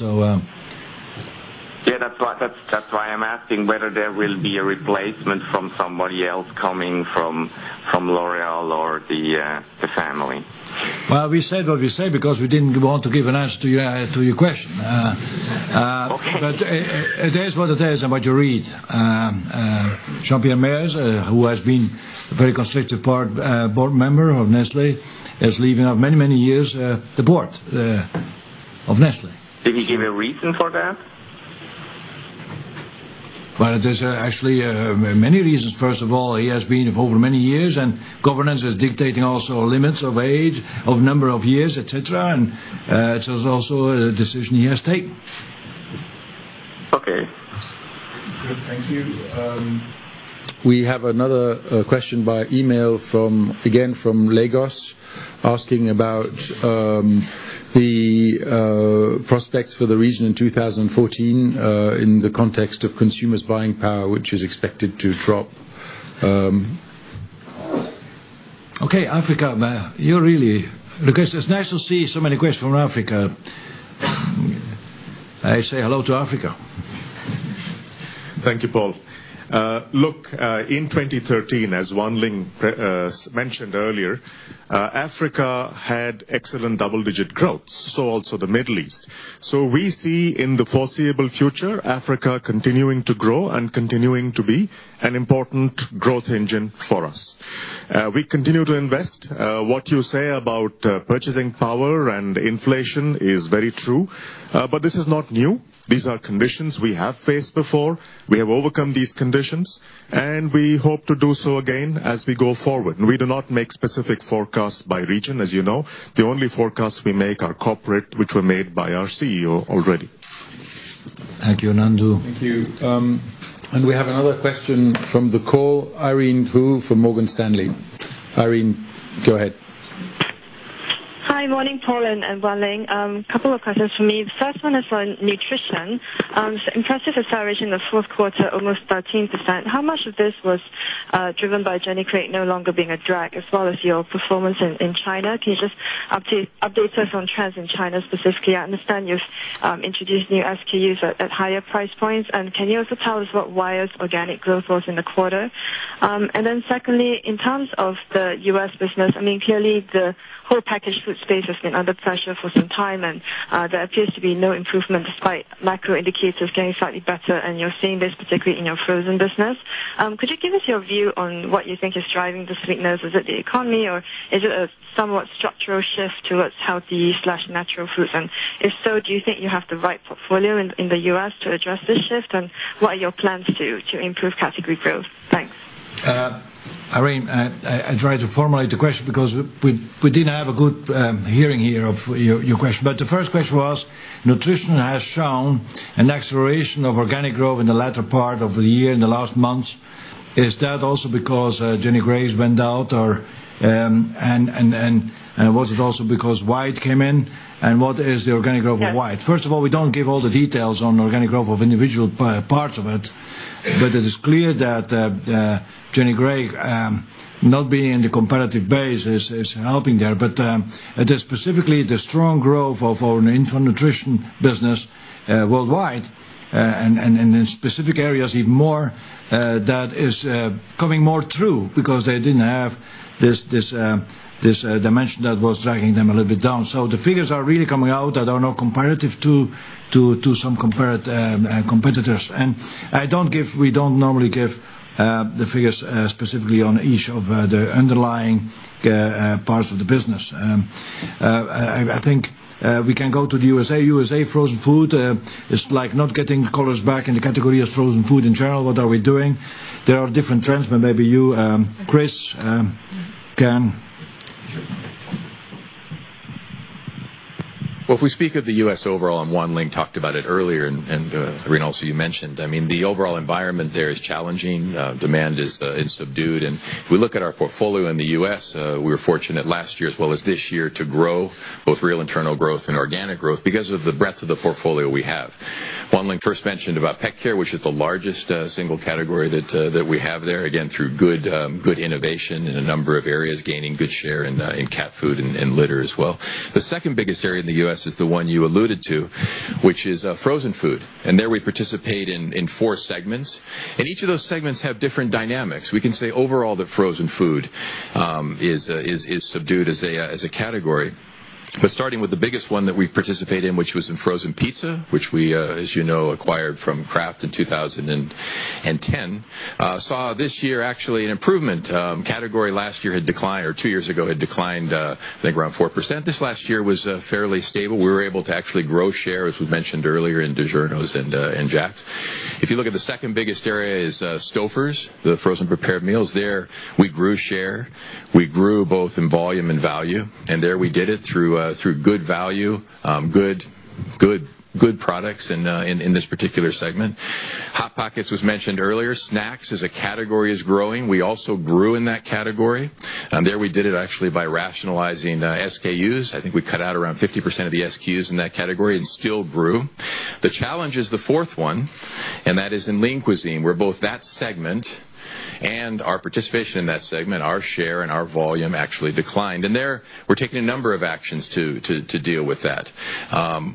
That's why I'm asking whether there will be a replacement from somebody else coming from L'Oréal or the family. We said what we said because we didn't want to give an answer to your question. Okay. It is what it is and what you read. Jean-Pierre Meyers, who has been a very constructive board member of Nestlé, is leaving of many years the board of Nestlé. Did he give a reason for that? Well, there's actually many reasons. First of all, he has been over many years. Governance is dictating also limits of age, of number of years, et cetera. It is also a decision he has taken. Okay. Good. Thank you. We have another question by email, again from Lagos, asking about the prospects for the region in 2014, in the context of consumers' buying power, which is expected to drop. Okay. Africa. It's nice to see so many questions from Africa. I say hello to Africa. Thank you, Paul. Look, in 2013, as Wan Ling mentioned earlier, Africa had excellent double-digit growth, also the Middle East. We see in the foreseeable future, Africa continuing to grow and continuing to be an important growth engine for us. We continue to invest. What you say about purchasing power and inflation is very true. This is not new. These are conditions we have faced before. We have overcome these conditions, and we hope to do so again as we go forward. We do not make specific forecasts by region, as you know. The only forecasts we make are corporate, which were made by our CEO already. Thank you, Nandu. Thank you. We have another question from the call, Eileen Khoo from Morgan Stanley. Irene, go ahead. Hi. Morning, Paul and Wan Ling. Couple of questions from me. The first one is on nutrition. Impressive acceleration in the fourth quarter, almost 13%. How much of this was driven by Jenny Craig no longer being a drag, as well as your performance in China? Can you just update us on trends in China specifically? I understand you've introduced new SKUs at higher price points. Can you also tell us what Wyeth's organic growth was in the quarter? Secondly, in terms of the U.S. business, clearly the whole packaged food space has been under pressure for some time, there appears to be no improvement despite macro indicators getting slightly better, and you're seeing this particularly in your frozen business. Could you give us your view on what you think is driving this weakness? Is it the economy, or is it a somewhat structural shift towards healthy/natural foods? If so, do you think you have the right portfolio in the U.S. to address this shift? What are your plans to improve category growth? Thanks. Irene, I try to formulate the question because we didn't have a good hearing here of your question. The first question was, nutrition has shown an acceleration of organic growth in the latter part of the year, in the last months. Is that also because Jenny Craig went out, and was it also because Wyeth came in? What is the organic growth of Wyeth? First of all, we don't give all the details on organic growth of individual parts of it. It is clear that Jenny Craig not being in the comparative base is helping there. It is specifically the strong growth of our nutrition business worldwide, and in specific areas even more, that is coming more through because they didn't have this dimension that was dragging them a little bit down. The figures are really coming out that are now comparative to some competitors. We don't normally give the figures specifically on each of the underlying parts of the business. I think we can go to the U.S.A. U.S.A. frozen food is like not getting callers back in the category of frozen food in general. What are we doing? There are different trends, but maybe you, Chris, can Sure. Well, if we speak of the U.S. overall, Wan Ling talked about it earlier, Irene, also, you mentioned, the overall environment there is challenging. Demand is subdued. If we look at our portfolio in the U.S., we were fortunate last year as well as this year to grow both real internal growth and organic growth because of the breadth of the portfolio we have. Wan Ling first mentioned about PetCare, which is the largest single category that we have there, again, through good innovation in a number of areas, gaining good share in cat food and litter as well. The second biggest area in the U.S. is the one you alluded to, which is frozen food. There we participate in 4 segments, and each of those segments have different dynamics. We can say overall that frozen food is subdued as a category. Starting with the biggest one that we participate in, which was in frozen pizza, which we, as you know, acquired from Kraft in 2010, saw this year actually an improvement. Category 2 years ago had declined, I think around 4%. This last year was fairly stable. We were able to actually grow share, as we mentioned earlier, in DiGiorno and Jack's. If you look at the second biggest area is Stouffer's, the frozen prepared meals. There we grew share. We grew both in volume and value, and there we did it through good value, good products in this particular segment. Hot Pockets was mentioned earlier. Snacks as a category is growing. We also grew in that category. There we did it actually by rationalizing SKUs. I think we cut out around 50% of the SKUs in that category and still grew. The challenge is the fourth one that is in Lean Cuisine, where both that segment and our participation in that segment, our share and our volume actually declined. There, we're taking a number of actions to deal with that.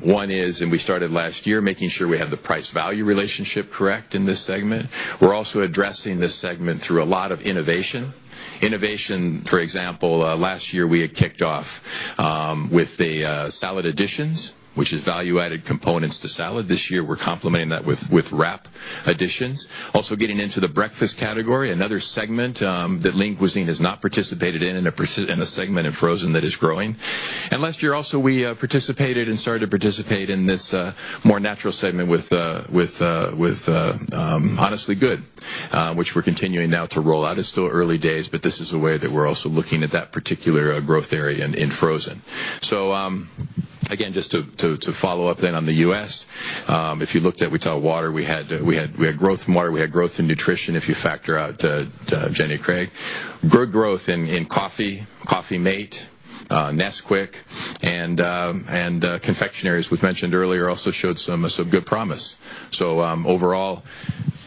One is, we started last year, making sure we have the price value relationship correct in this segment. We're also addressing this segment through a lot of innovation. Innovation, for example, last year we had kicked off with the salad additions, which is value-added components to salad. This year, we're complementing that with wrap additions. Also getting into the breakfast category, another segment that Lean Cuisine has not participated in a segment in frozen that is growing. Last year also, we participated and started to participate in this more natural segment with Honestly Good, which we're continuing now to roll out. It's still early days, but this is a way that we're also looking at that particular growth area in frozen. Again, just to follow up on the U.S. If you looked at, we saw water, we had growth in water, we had growth in nutrition, if you factor out Jenny Craig. Good growth in coffee, Coffee-mate, Nesquik, and confectionery, as we've mentioned earlier, also showed some good promise. Overall,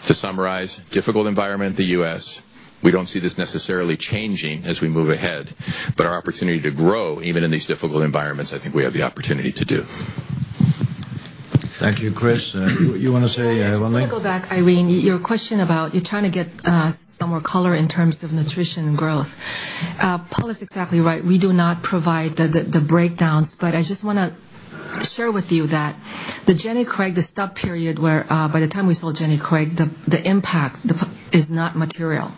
to summarize, difficult environment in the U.S., we don't see this necessarily changing as we move ahead. Our opportunity to grow, even in these difficult environments, I think we have the opportunity to do. Thank you, Chris. You want to say, Wan Ling? Just to go back, Irene, your question about you're trying to get some more color in terms of nutrition growth. Paul is exactly right. We do not provide the breakdowns, but I just want to share with you that the Jenny Craig, the stub period, whereby the time we sold Jenny Craig, the impact is not material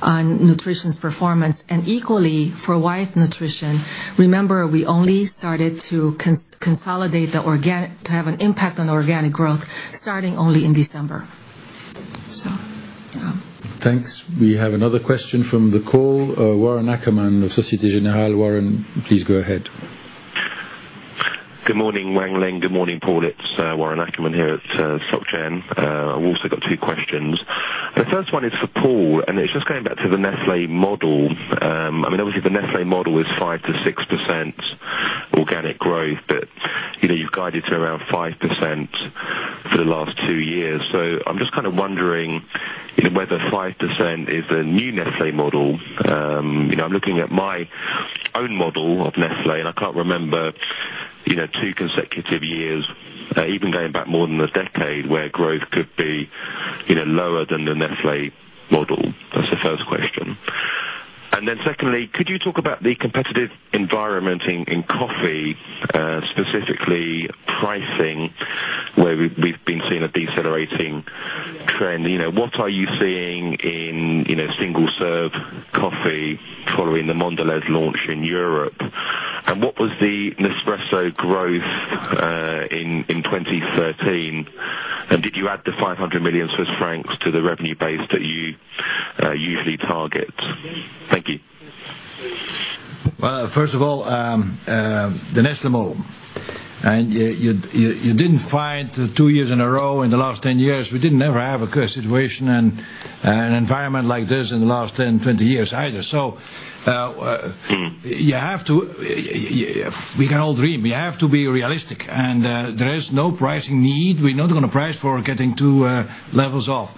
on nutrition's performance. Equally for Wyeth Nutrition, remember, we only started to have an impact on organic growth starting only in December. Yeah. Thanks. We have another question from the call. Warren Ackerman of Société Générale. Warren, please go ahead. Good morning, Wan Ling, good morning, Paul. It's Warren Ackerman here at Soc Gen. I've also got 2 questions. The first one is for Paul. It's just going back to the Nestlé model. Obviously, the Nestlé model is 5%-6% organic growth, but you've guided to around 5% for the last 2 years. I'm just kind of wondering whether 5% is the new Nestlé model. I'm looking at my own model of Nestlé, and I can't remember 2 consecutive years, even going back more than a decade, where growth could be lower than the Nestlé model. That's the first question. Secondly, could you talk about the competitive environment in coffee, specifically pricing, where we've been seeing a decelerating trend. What are you seeing in single-serve coffee following the Mondelez launch in Europe? What was the Nespresso growth in 2013? Did you add the 500 million Swiss francs to the revenue base that you usually target? Thank you. Well, first of all, the Nestlé model. You didn't find 2 years in a row in the last 10 years, we didn't ever have a situation and an environment like this in the last 10, 20 years either. We can all dream. We have to be realistic. There is no pricing need. We're not going to price for getting 2 levels up.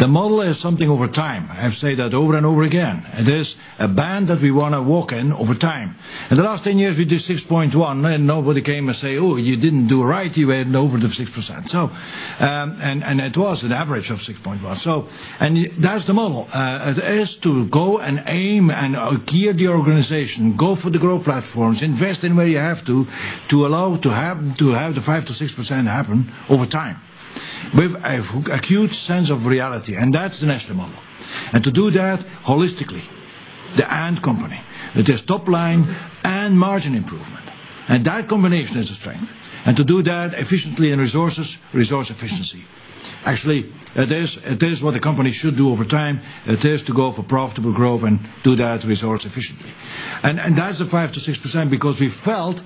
The model is something over time. I've said that over and over again. It is a band that we want to walk in over time. In the last 10 years, we did 6.1%, and nobody came and say, "Oh, you didn't do right. You went over the 6%." It was an average of 6.1%. That's the model. It is to go and aim and gear the organization, go for the growth platforms, invest in where you have to have the 5%-6% happen over time with a huge sense of reality. That's the Nestlé model. To do that holistically, the & company. It is top line and margin improvement. That combination is a strength. To do that efficiently in resources, resource efficiency. Actually, it is what the company should do over time. It is to go for profitable growth and do that resource efficiently. That's the 5%-6% because we felt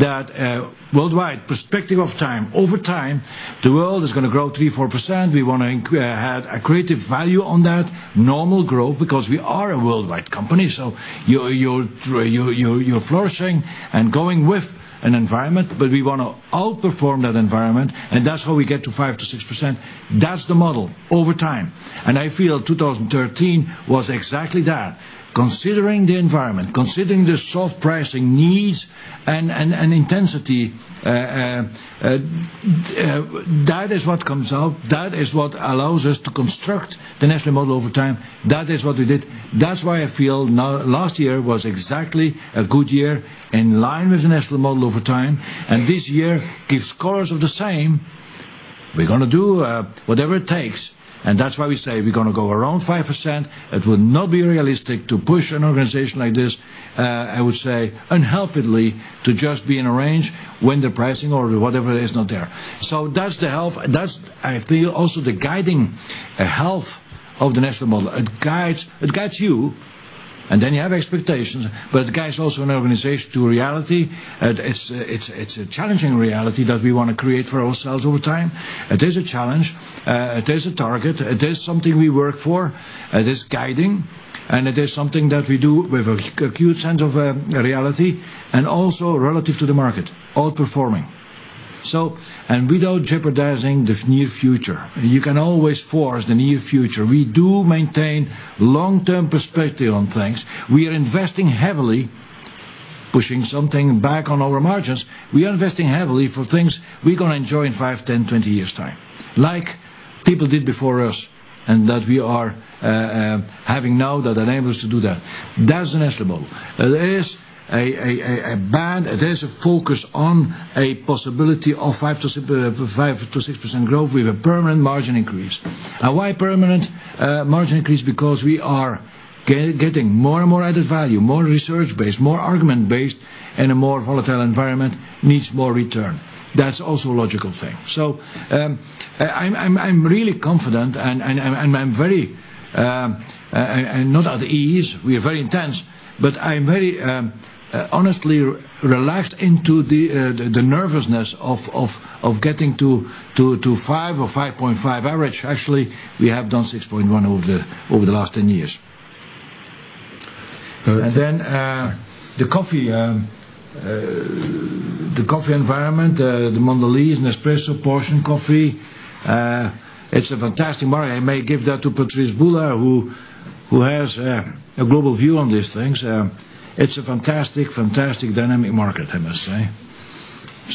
that worldwide perspective of time, over time, the world is going to grow 3%, 4%. We want to have a creative value on that normal growth because we are a worldwide company. You're flourishing and going with an environment, we want to outperform that environment, and that's how we get to 5%-6%. That's the model over time. I feel 2013 was exactly that. Considering the environment, considering the soft pricing needs and intensity, that is what comes out. That is what allows us to construct the Nestlé model over time. That is what we did. That's why I feel last year was exactly a good year in line with the Nestlé model over time, and this year keeps course of the same. We're going to do whatever it takes, and that's why we say we're going to go around 5%. It would not be realistic to push an organization like this, I would say unhelpfully, to just be in a range when the pricing or whatever it is not there. That's the health. That's I feel also the guiding health of the Nestlé model. It guides you, and then you have expectations, but it guides also an organization to reality. It's a challenging reality that we want to create for ourselves over time. It is a challenge. It is a target. It is something we work for. It is guiding, and it is something that we do with acute sense of reality, and also relative to the market, outperforming. Without jeopardizing the near future. You can always force the near future. We do maintain long-term perspective on things. We are investing heavily, pushing something back on our margins. We are investing heavily for things we're going to enjoy in 5, 10, 20 years' time, like people did before us, and that we are having now that enable us to do that. That's the Nestlé model. There is a band, there is a focus on a possibility of 5%-6% growth with a permanent margin increase. Why permanent margin increase? We are getting more and more added value, more research-based, more argument-based, and a more volatile environment needs more return. That's also a logical thing. I'm really confident, and I'm very, not at ease, we are very intense, but I'm very honestly relaxed into the nervousness of getting to 5 or 5.5 average. Actually, we have done 6.1 over the last 10 years. The coffee environment, the Mondelez, Nespresso Portion coffee. It's a fantastic market. I may give that to Patrice Bula, who has a global view on these things. It's a fantastic dynamic market, I must say.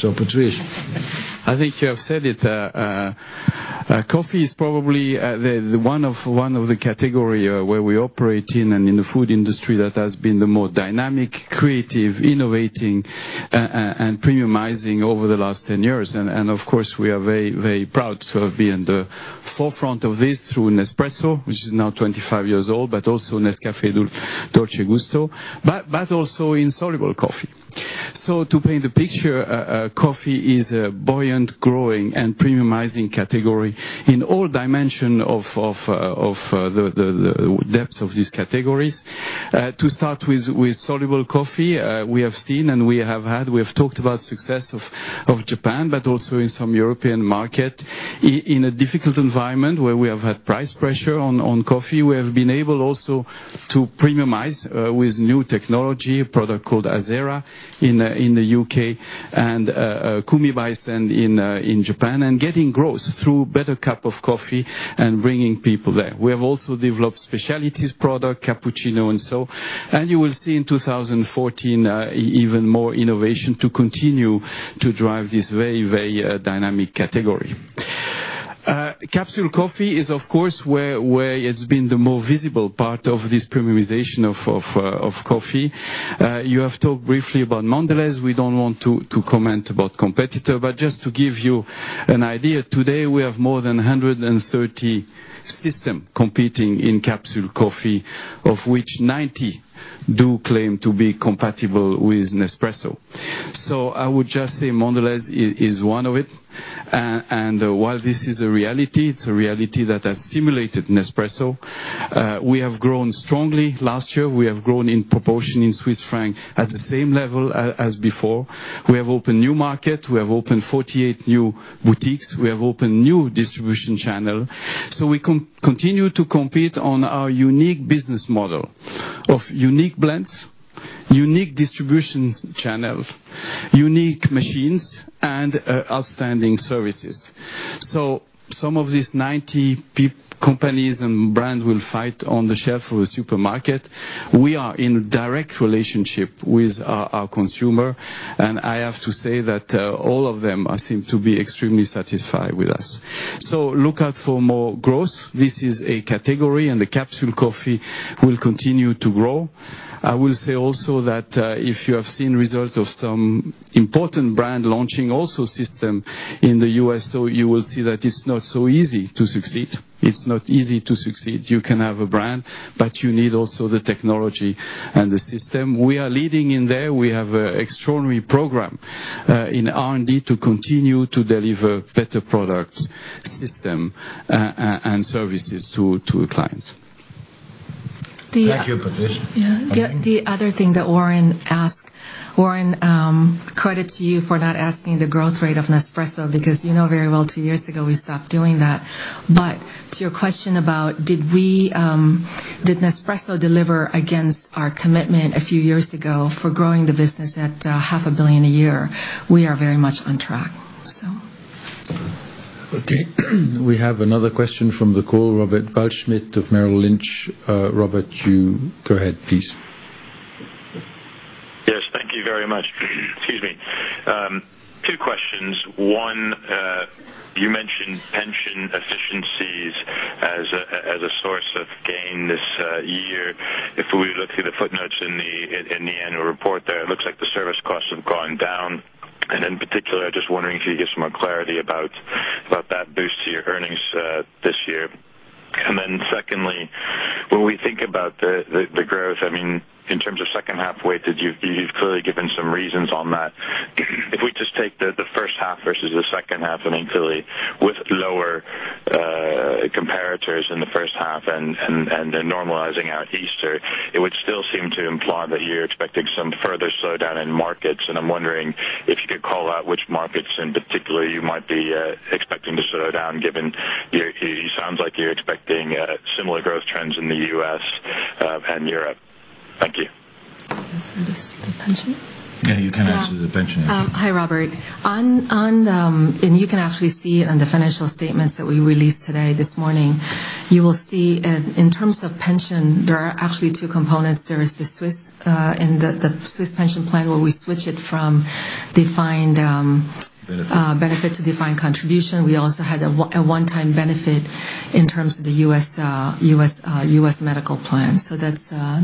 Patrice? I think you have said it. Coffee is probably one of the category where we operate in and in the food industry that has been the most dynamic, creative, innovating, and premiumizing over the last 10 years. Of course, we are very proud to be in the forefront of this through Nespresso, which is now 25 years old, but also Nescafé Dolce Gusto, but also in soluble coffee. To paint the picture, coffee is a buoyant, growing, and premiumizing category in all dimension of the depths of these categories. To start with soluble coffee, we have seen and we have had, we have talked about success of Japan, but also in some European market. In a difficult environment where we have had price pressure on coffee, we have been able also to premiumize with new technology, a product called Azera in the U.K. and Koumi Baisen in Japan, and getting growth through better cup of coffee and bringing people there. We have also developed specialties product, cappuccino and so on. You will see in 2014 even more innovation to continue to drive this very dynamic category. Capsule coffee is, of course, where it's been the more visible part of this premiumization of coffee. You have talked briefly about Mondelez. We don't want to comment about competitor, just to give you an idea, today we have more than 130 system competing in capsule coffee, of which 90 do claim to be compatible with Nespresso. I would just say Mondelez is one of it. While this is a reality, it's a reality that has stimulated Nespresso. We have grown strongly. Last year, we have grown in proportion in CHF at the same level as before. We have opened new market. We have opened 48 new boutiques. We have opened new distribution channel. We continue to compete on our unique business model of unique blends, unique distributions channel, unique machines, and outstanding services. Some of these 90 companies and brands will fight on the shelf of a supermarket. We are in direct relationship with our consumer, I have to say that all of them seem to be extremely satisfied with us. Look out for more growth. This is a category, the capsule coffee will continue to grow. I will say also that if you have seen result of some important brand launching also system in the U.S., you will see that it's not so easy to succeed. It's not easy to succeed. You can have a brand, you need also the technology and the system. We are leading in there. We have extraordinary program in R&D to continue to deliver better product system and services to clients. Thank you, Patrice. The other thing that Warren asked, Warren, credit to you for not asking the growth rate of Nespresso because you know very well two years ago we stopped doing that. To your question about did Nespresso deliver against our commitment a few years ago for growing the business at CHF half a billion a year, we are very much on track. Okay. We have another question from the call, Robert Waldschmidt of Merrill Lynch. Robert, you go ahead, please. Yes, thank you very much. Excuse me. Two questions. One, you mentioned pension efficiencies as a source of gain this year. If we look through the footnotes in the annual report there, it looks like the service costs have gone down. In particular, just wondering if you could give some more clarity about that boost to your earnings this year. Secondly, when we think about the growth, in terms of second half weight, you've clearly given some reasons on that. If we just take the first half versus the second half, I mean, clearly with lower comparators in the first half, normalizing out Easter, it would still seem to imply that you're expecting some further slowdown in markets, I'm wondering if you could call out which markets in particular you might be expecting to slow down given it sounds like you're expecting similar growth trends in the U.S. and Europe. Thank you. This is the pension? Yeah, you can answer the pension. Hi, Robert. You can actually see it on the financial statements that we released today, this morning. You will see in terms of pension, there are actually two components. There is the Swiss and the Swiss pension plan, where we switch it from defined Benefit benefit to defined contribution. We also had a one-time benefit in terms of the U.S. medical plan.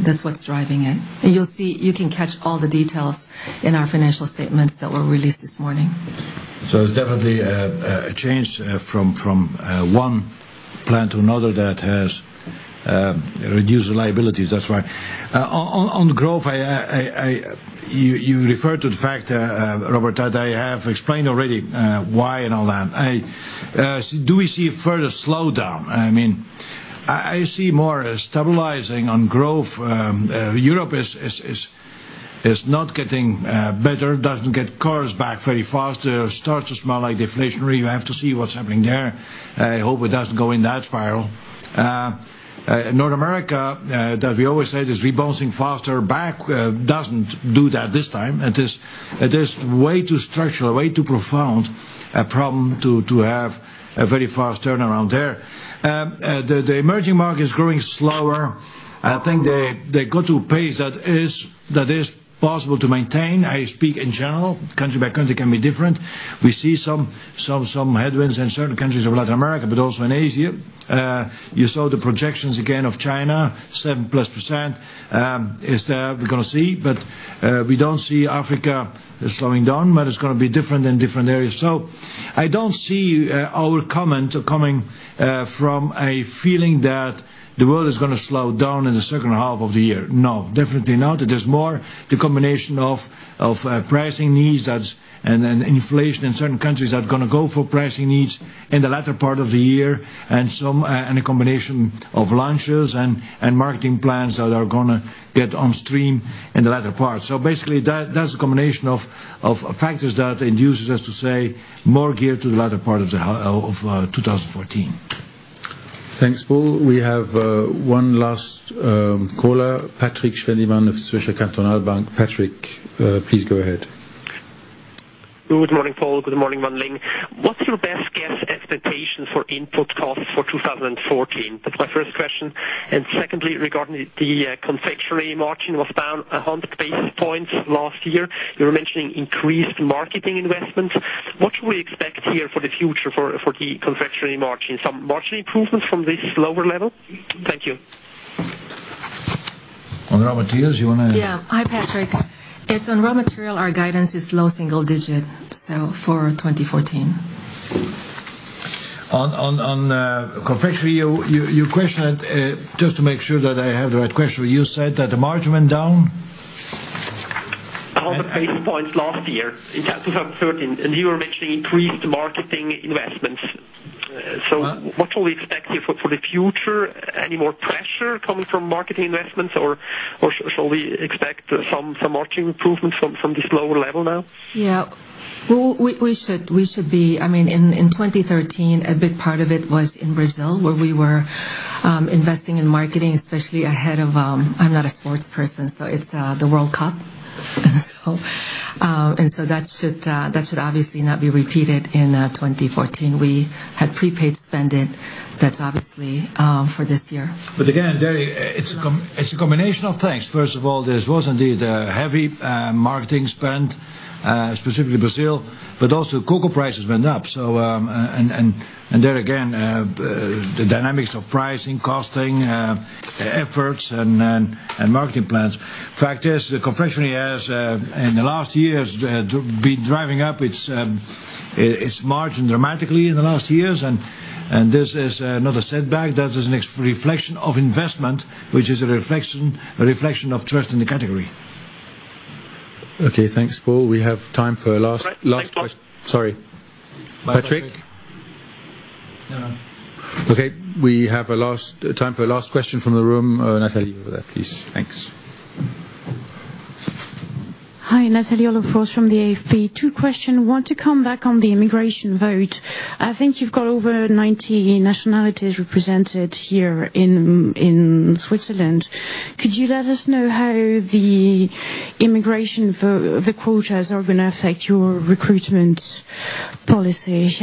That's what's driving it. You can catch all the details in our financial statements that were released this morning. It's definitely a change from one plan to another that has reduced the liabilities, that's why. On growth, you referred to the fact, Robert, that I have explained already why and all that. Do we see a further slowdown? I see more stabilizing on growth. Europe is not getting better, doesn't get cars back very fast. It starts to smell like deflationary. You have to see what's happening there. I hope it doesn't go in that spiral. North America, that we always said is rebounding faster back, doesn't do that this time. It is way too structural, way too profound a problem to have a very fast turnaround there. The emerging market is growing slower. I think they got to a pace that is possible to maintain. I speak in general. Country by country can be different. We see some headwinds in certain countries of Latin America, also in Asia. You saw the projections again of China, 7-plus %, is there. We're going to see, we don't see Africa slowing down, it's going to be different in different areas. I don't see our comment coming from a feeling that the world is going to slow down in the second half of the year. No, definitely not. It is more the combination of pricing needs, then inflation in certain countries that are going to go for pricing needs in the latter part of the year, a combination of launches and marketing plans that are going to get on stream in the latter part. Basically, that's a combination of factors that induces us to say more geared to the latter part of 2014. Thanks, Paul. We have one last caller, Patrik Schwendimann of Zürcher Kantonalbank. Patrik, please go ahead. Good morning, Paul. Good morning, Wan Ling. What's your best guess expectation for input costs for 2014? That's my first question. Secondly, regarding the confectionery margin was down 100 basis points last year. You were mentioning increased marketing investments. What should we expect here for the future for the confectionery margin? Some margin improvements from this lower level? Thank you. On raw materials, you want to Yeah. Hi, Patrik. It's on raw material, our guidance is low single digit for 2014. On confectionery, your question, just to make sure that I have the right question, you said that the margin went down? 100 basis points last year, in 2013. You were mentioning increased marketing investments. Huh? What will we expect here for the future? Any more pressure coming from marketing investments, or shall we expect some margin improvements from this lower level now? Yeah. In 2013, a big part of it was in Brazil, where we were investing in marketing, especially ahead of I'm not a sports person, so it's the World Cup. That should obviously not be repeated in 2014. We had prepaid spending, that's obviously for this year. Again, it's a combination of things. First of all, there was indeed a heavy marketing spend, specifically Brazil, but also cocoa prices went up. There again, the dynamics of pricing, costing, efforts, and marketing plans. Fact is, the confectionery has, in the last years, been driving up its margin dramatically in the last years, and this is another setback. That is a reflection of investment, which is a reflection of trust in the category. Okay, thanks, Paul. We have time for last- Right. Thanks, Paul. Sorry. Patrik? No. Okay, we have time for a last question from the room. Nathalie, over there, please. Thanks. Hi, Nathalie Olof-Ors from the AFP. Two question. I want to come back on the immigration vote. I think you've got over 90 nationalities represented here in Switzerland. Could you let us know how the immigration quotas are going to affect your recruitment policy?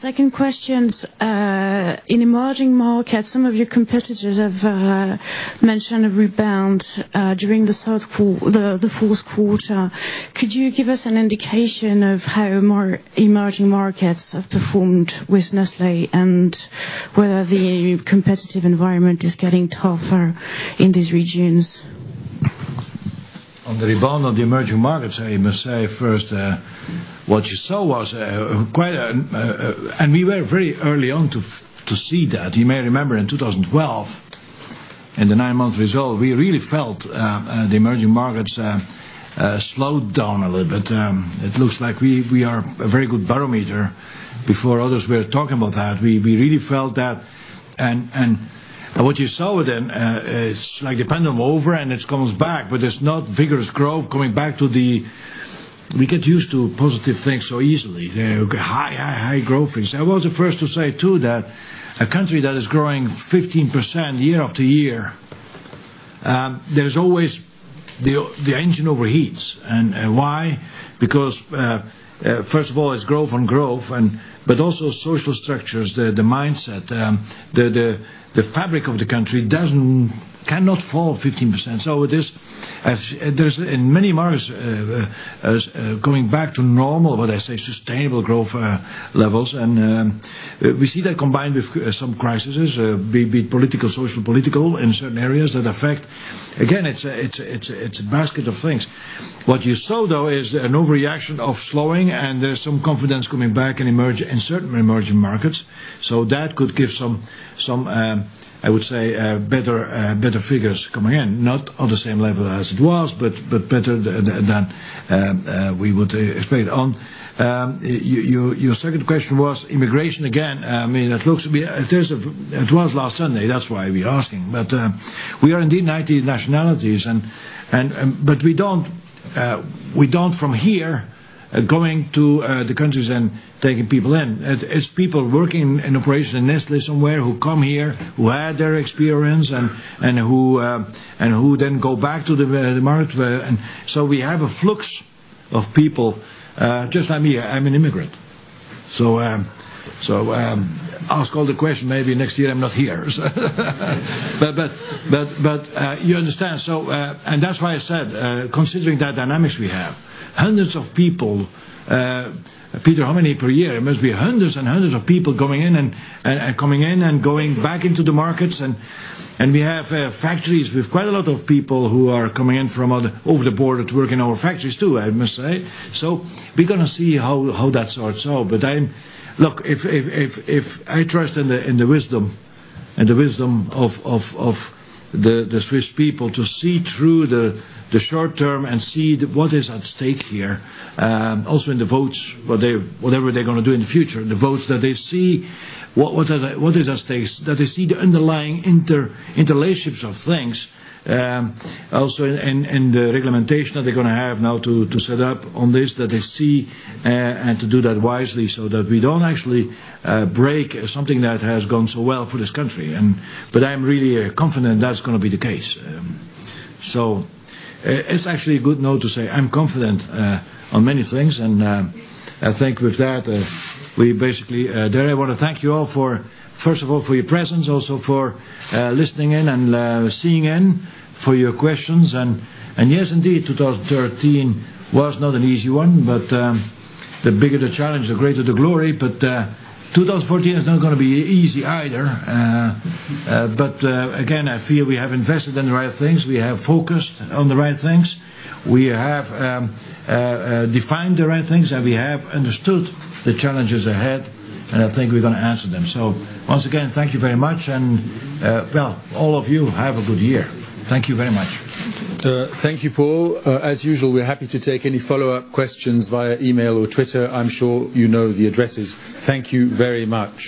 Second question, in emerging markets, some of your competitors have mentioned a rebound during the fourth quarter. Could you give us an indication of how emerging markets have performed with Nestlé and whether the competitive environment is getting tougher in these regions? On the rebound of the emerging markets, I must say first, what you saw was quite a. We were very early on to see that. You may remember in 2012, in the nine-month result, we really felt the emerging markets slowed down a little bit. It looks like we are a very good barometer. Before others were talking about that, we really felt that. What you saw then is like the pendulum over, and it comes back, but it's not vigorous growth coming back to the. We get used to positive things so easily. High growth rates. I was the first to say too that a country that is growing 15% year after year, the engine overheats. Why? Because first of all, it's growth on growth, but also social structures, the mindset, the fabric of the country cannot hold 15%. Many markets are going back to normal, what I say, sustainable growth levels. We see that combined with some crises, be it political, social, political, in certain areas that affect. Again, it's a basket of things. What you saw, though, is an overreaction of slowing, and there's some confidence coming back in certain emerging markets. That could give some, I would say, better figures coming in, not on the same level as it was, but better than we would expect. Your second question was immigration again. It was last Sunday, that's why we're asking. We are indeed 90 nationalities. We don't from here, going to the countries and taking people in. It's people working in operation in Nestlé somewhere who come here, who had their experience, and who then go back to the market. We have a flux of people, just like me. I'm an immigrant. Ask all the question, maybe next year I'm not here. You understand. That's why I said, considering the dynamics we have, hundreds of people. Peter, how many per year? It must be hundreds and hundreds of people coming in and going back into the markets. We have factories with quite a lot of people who are coming in from over the border to work in our factories, too, I must say. We're going to see how that sorts out. Look, if I trust in the wisdom of the Swiss people to see through the short term and see what is at stake here. Also in the votes, whatever they're going to do in the future, the votes that they see what is at stake, that they see the underlying interrelationships of things. Also in the regimentation that they're going to have now to set up on this, that they see, and to do that wisely so that we don't actually break something that has gone so well for this country. I'm really confident that's going to be the case. It's actually a good note to say I'm confident on many things, and I think with that, we basically dare. I want to thank you all first of all for your presence, also for listening in and seeing in, for your questions. Yes, indeed, 2013 was not an easy one, but the bigger the challenge, the greater the glory. 2014 is not going to be easy either. Again, I feel we have invested in the right things. We have focused on the right things. We have defined the right things, we have understood the challenges ahead, I think we're going to answer them. Once again, thank you very much, well, all of you have a good year. Thank you very much. Thank you, Paul. As usual, we're happy to take any follow-up questions via email or Twitter. I'm sure you know the addresses. Thank you very much.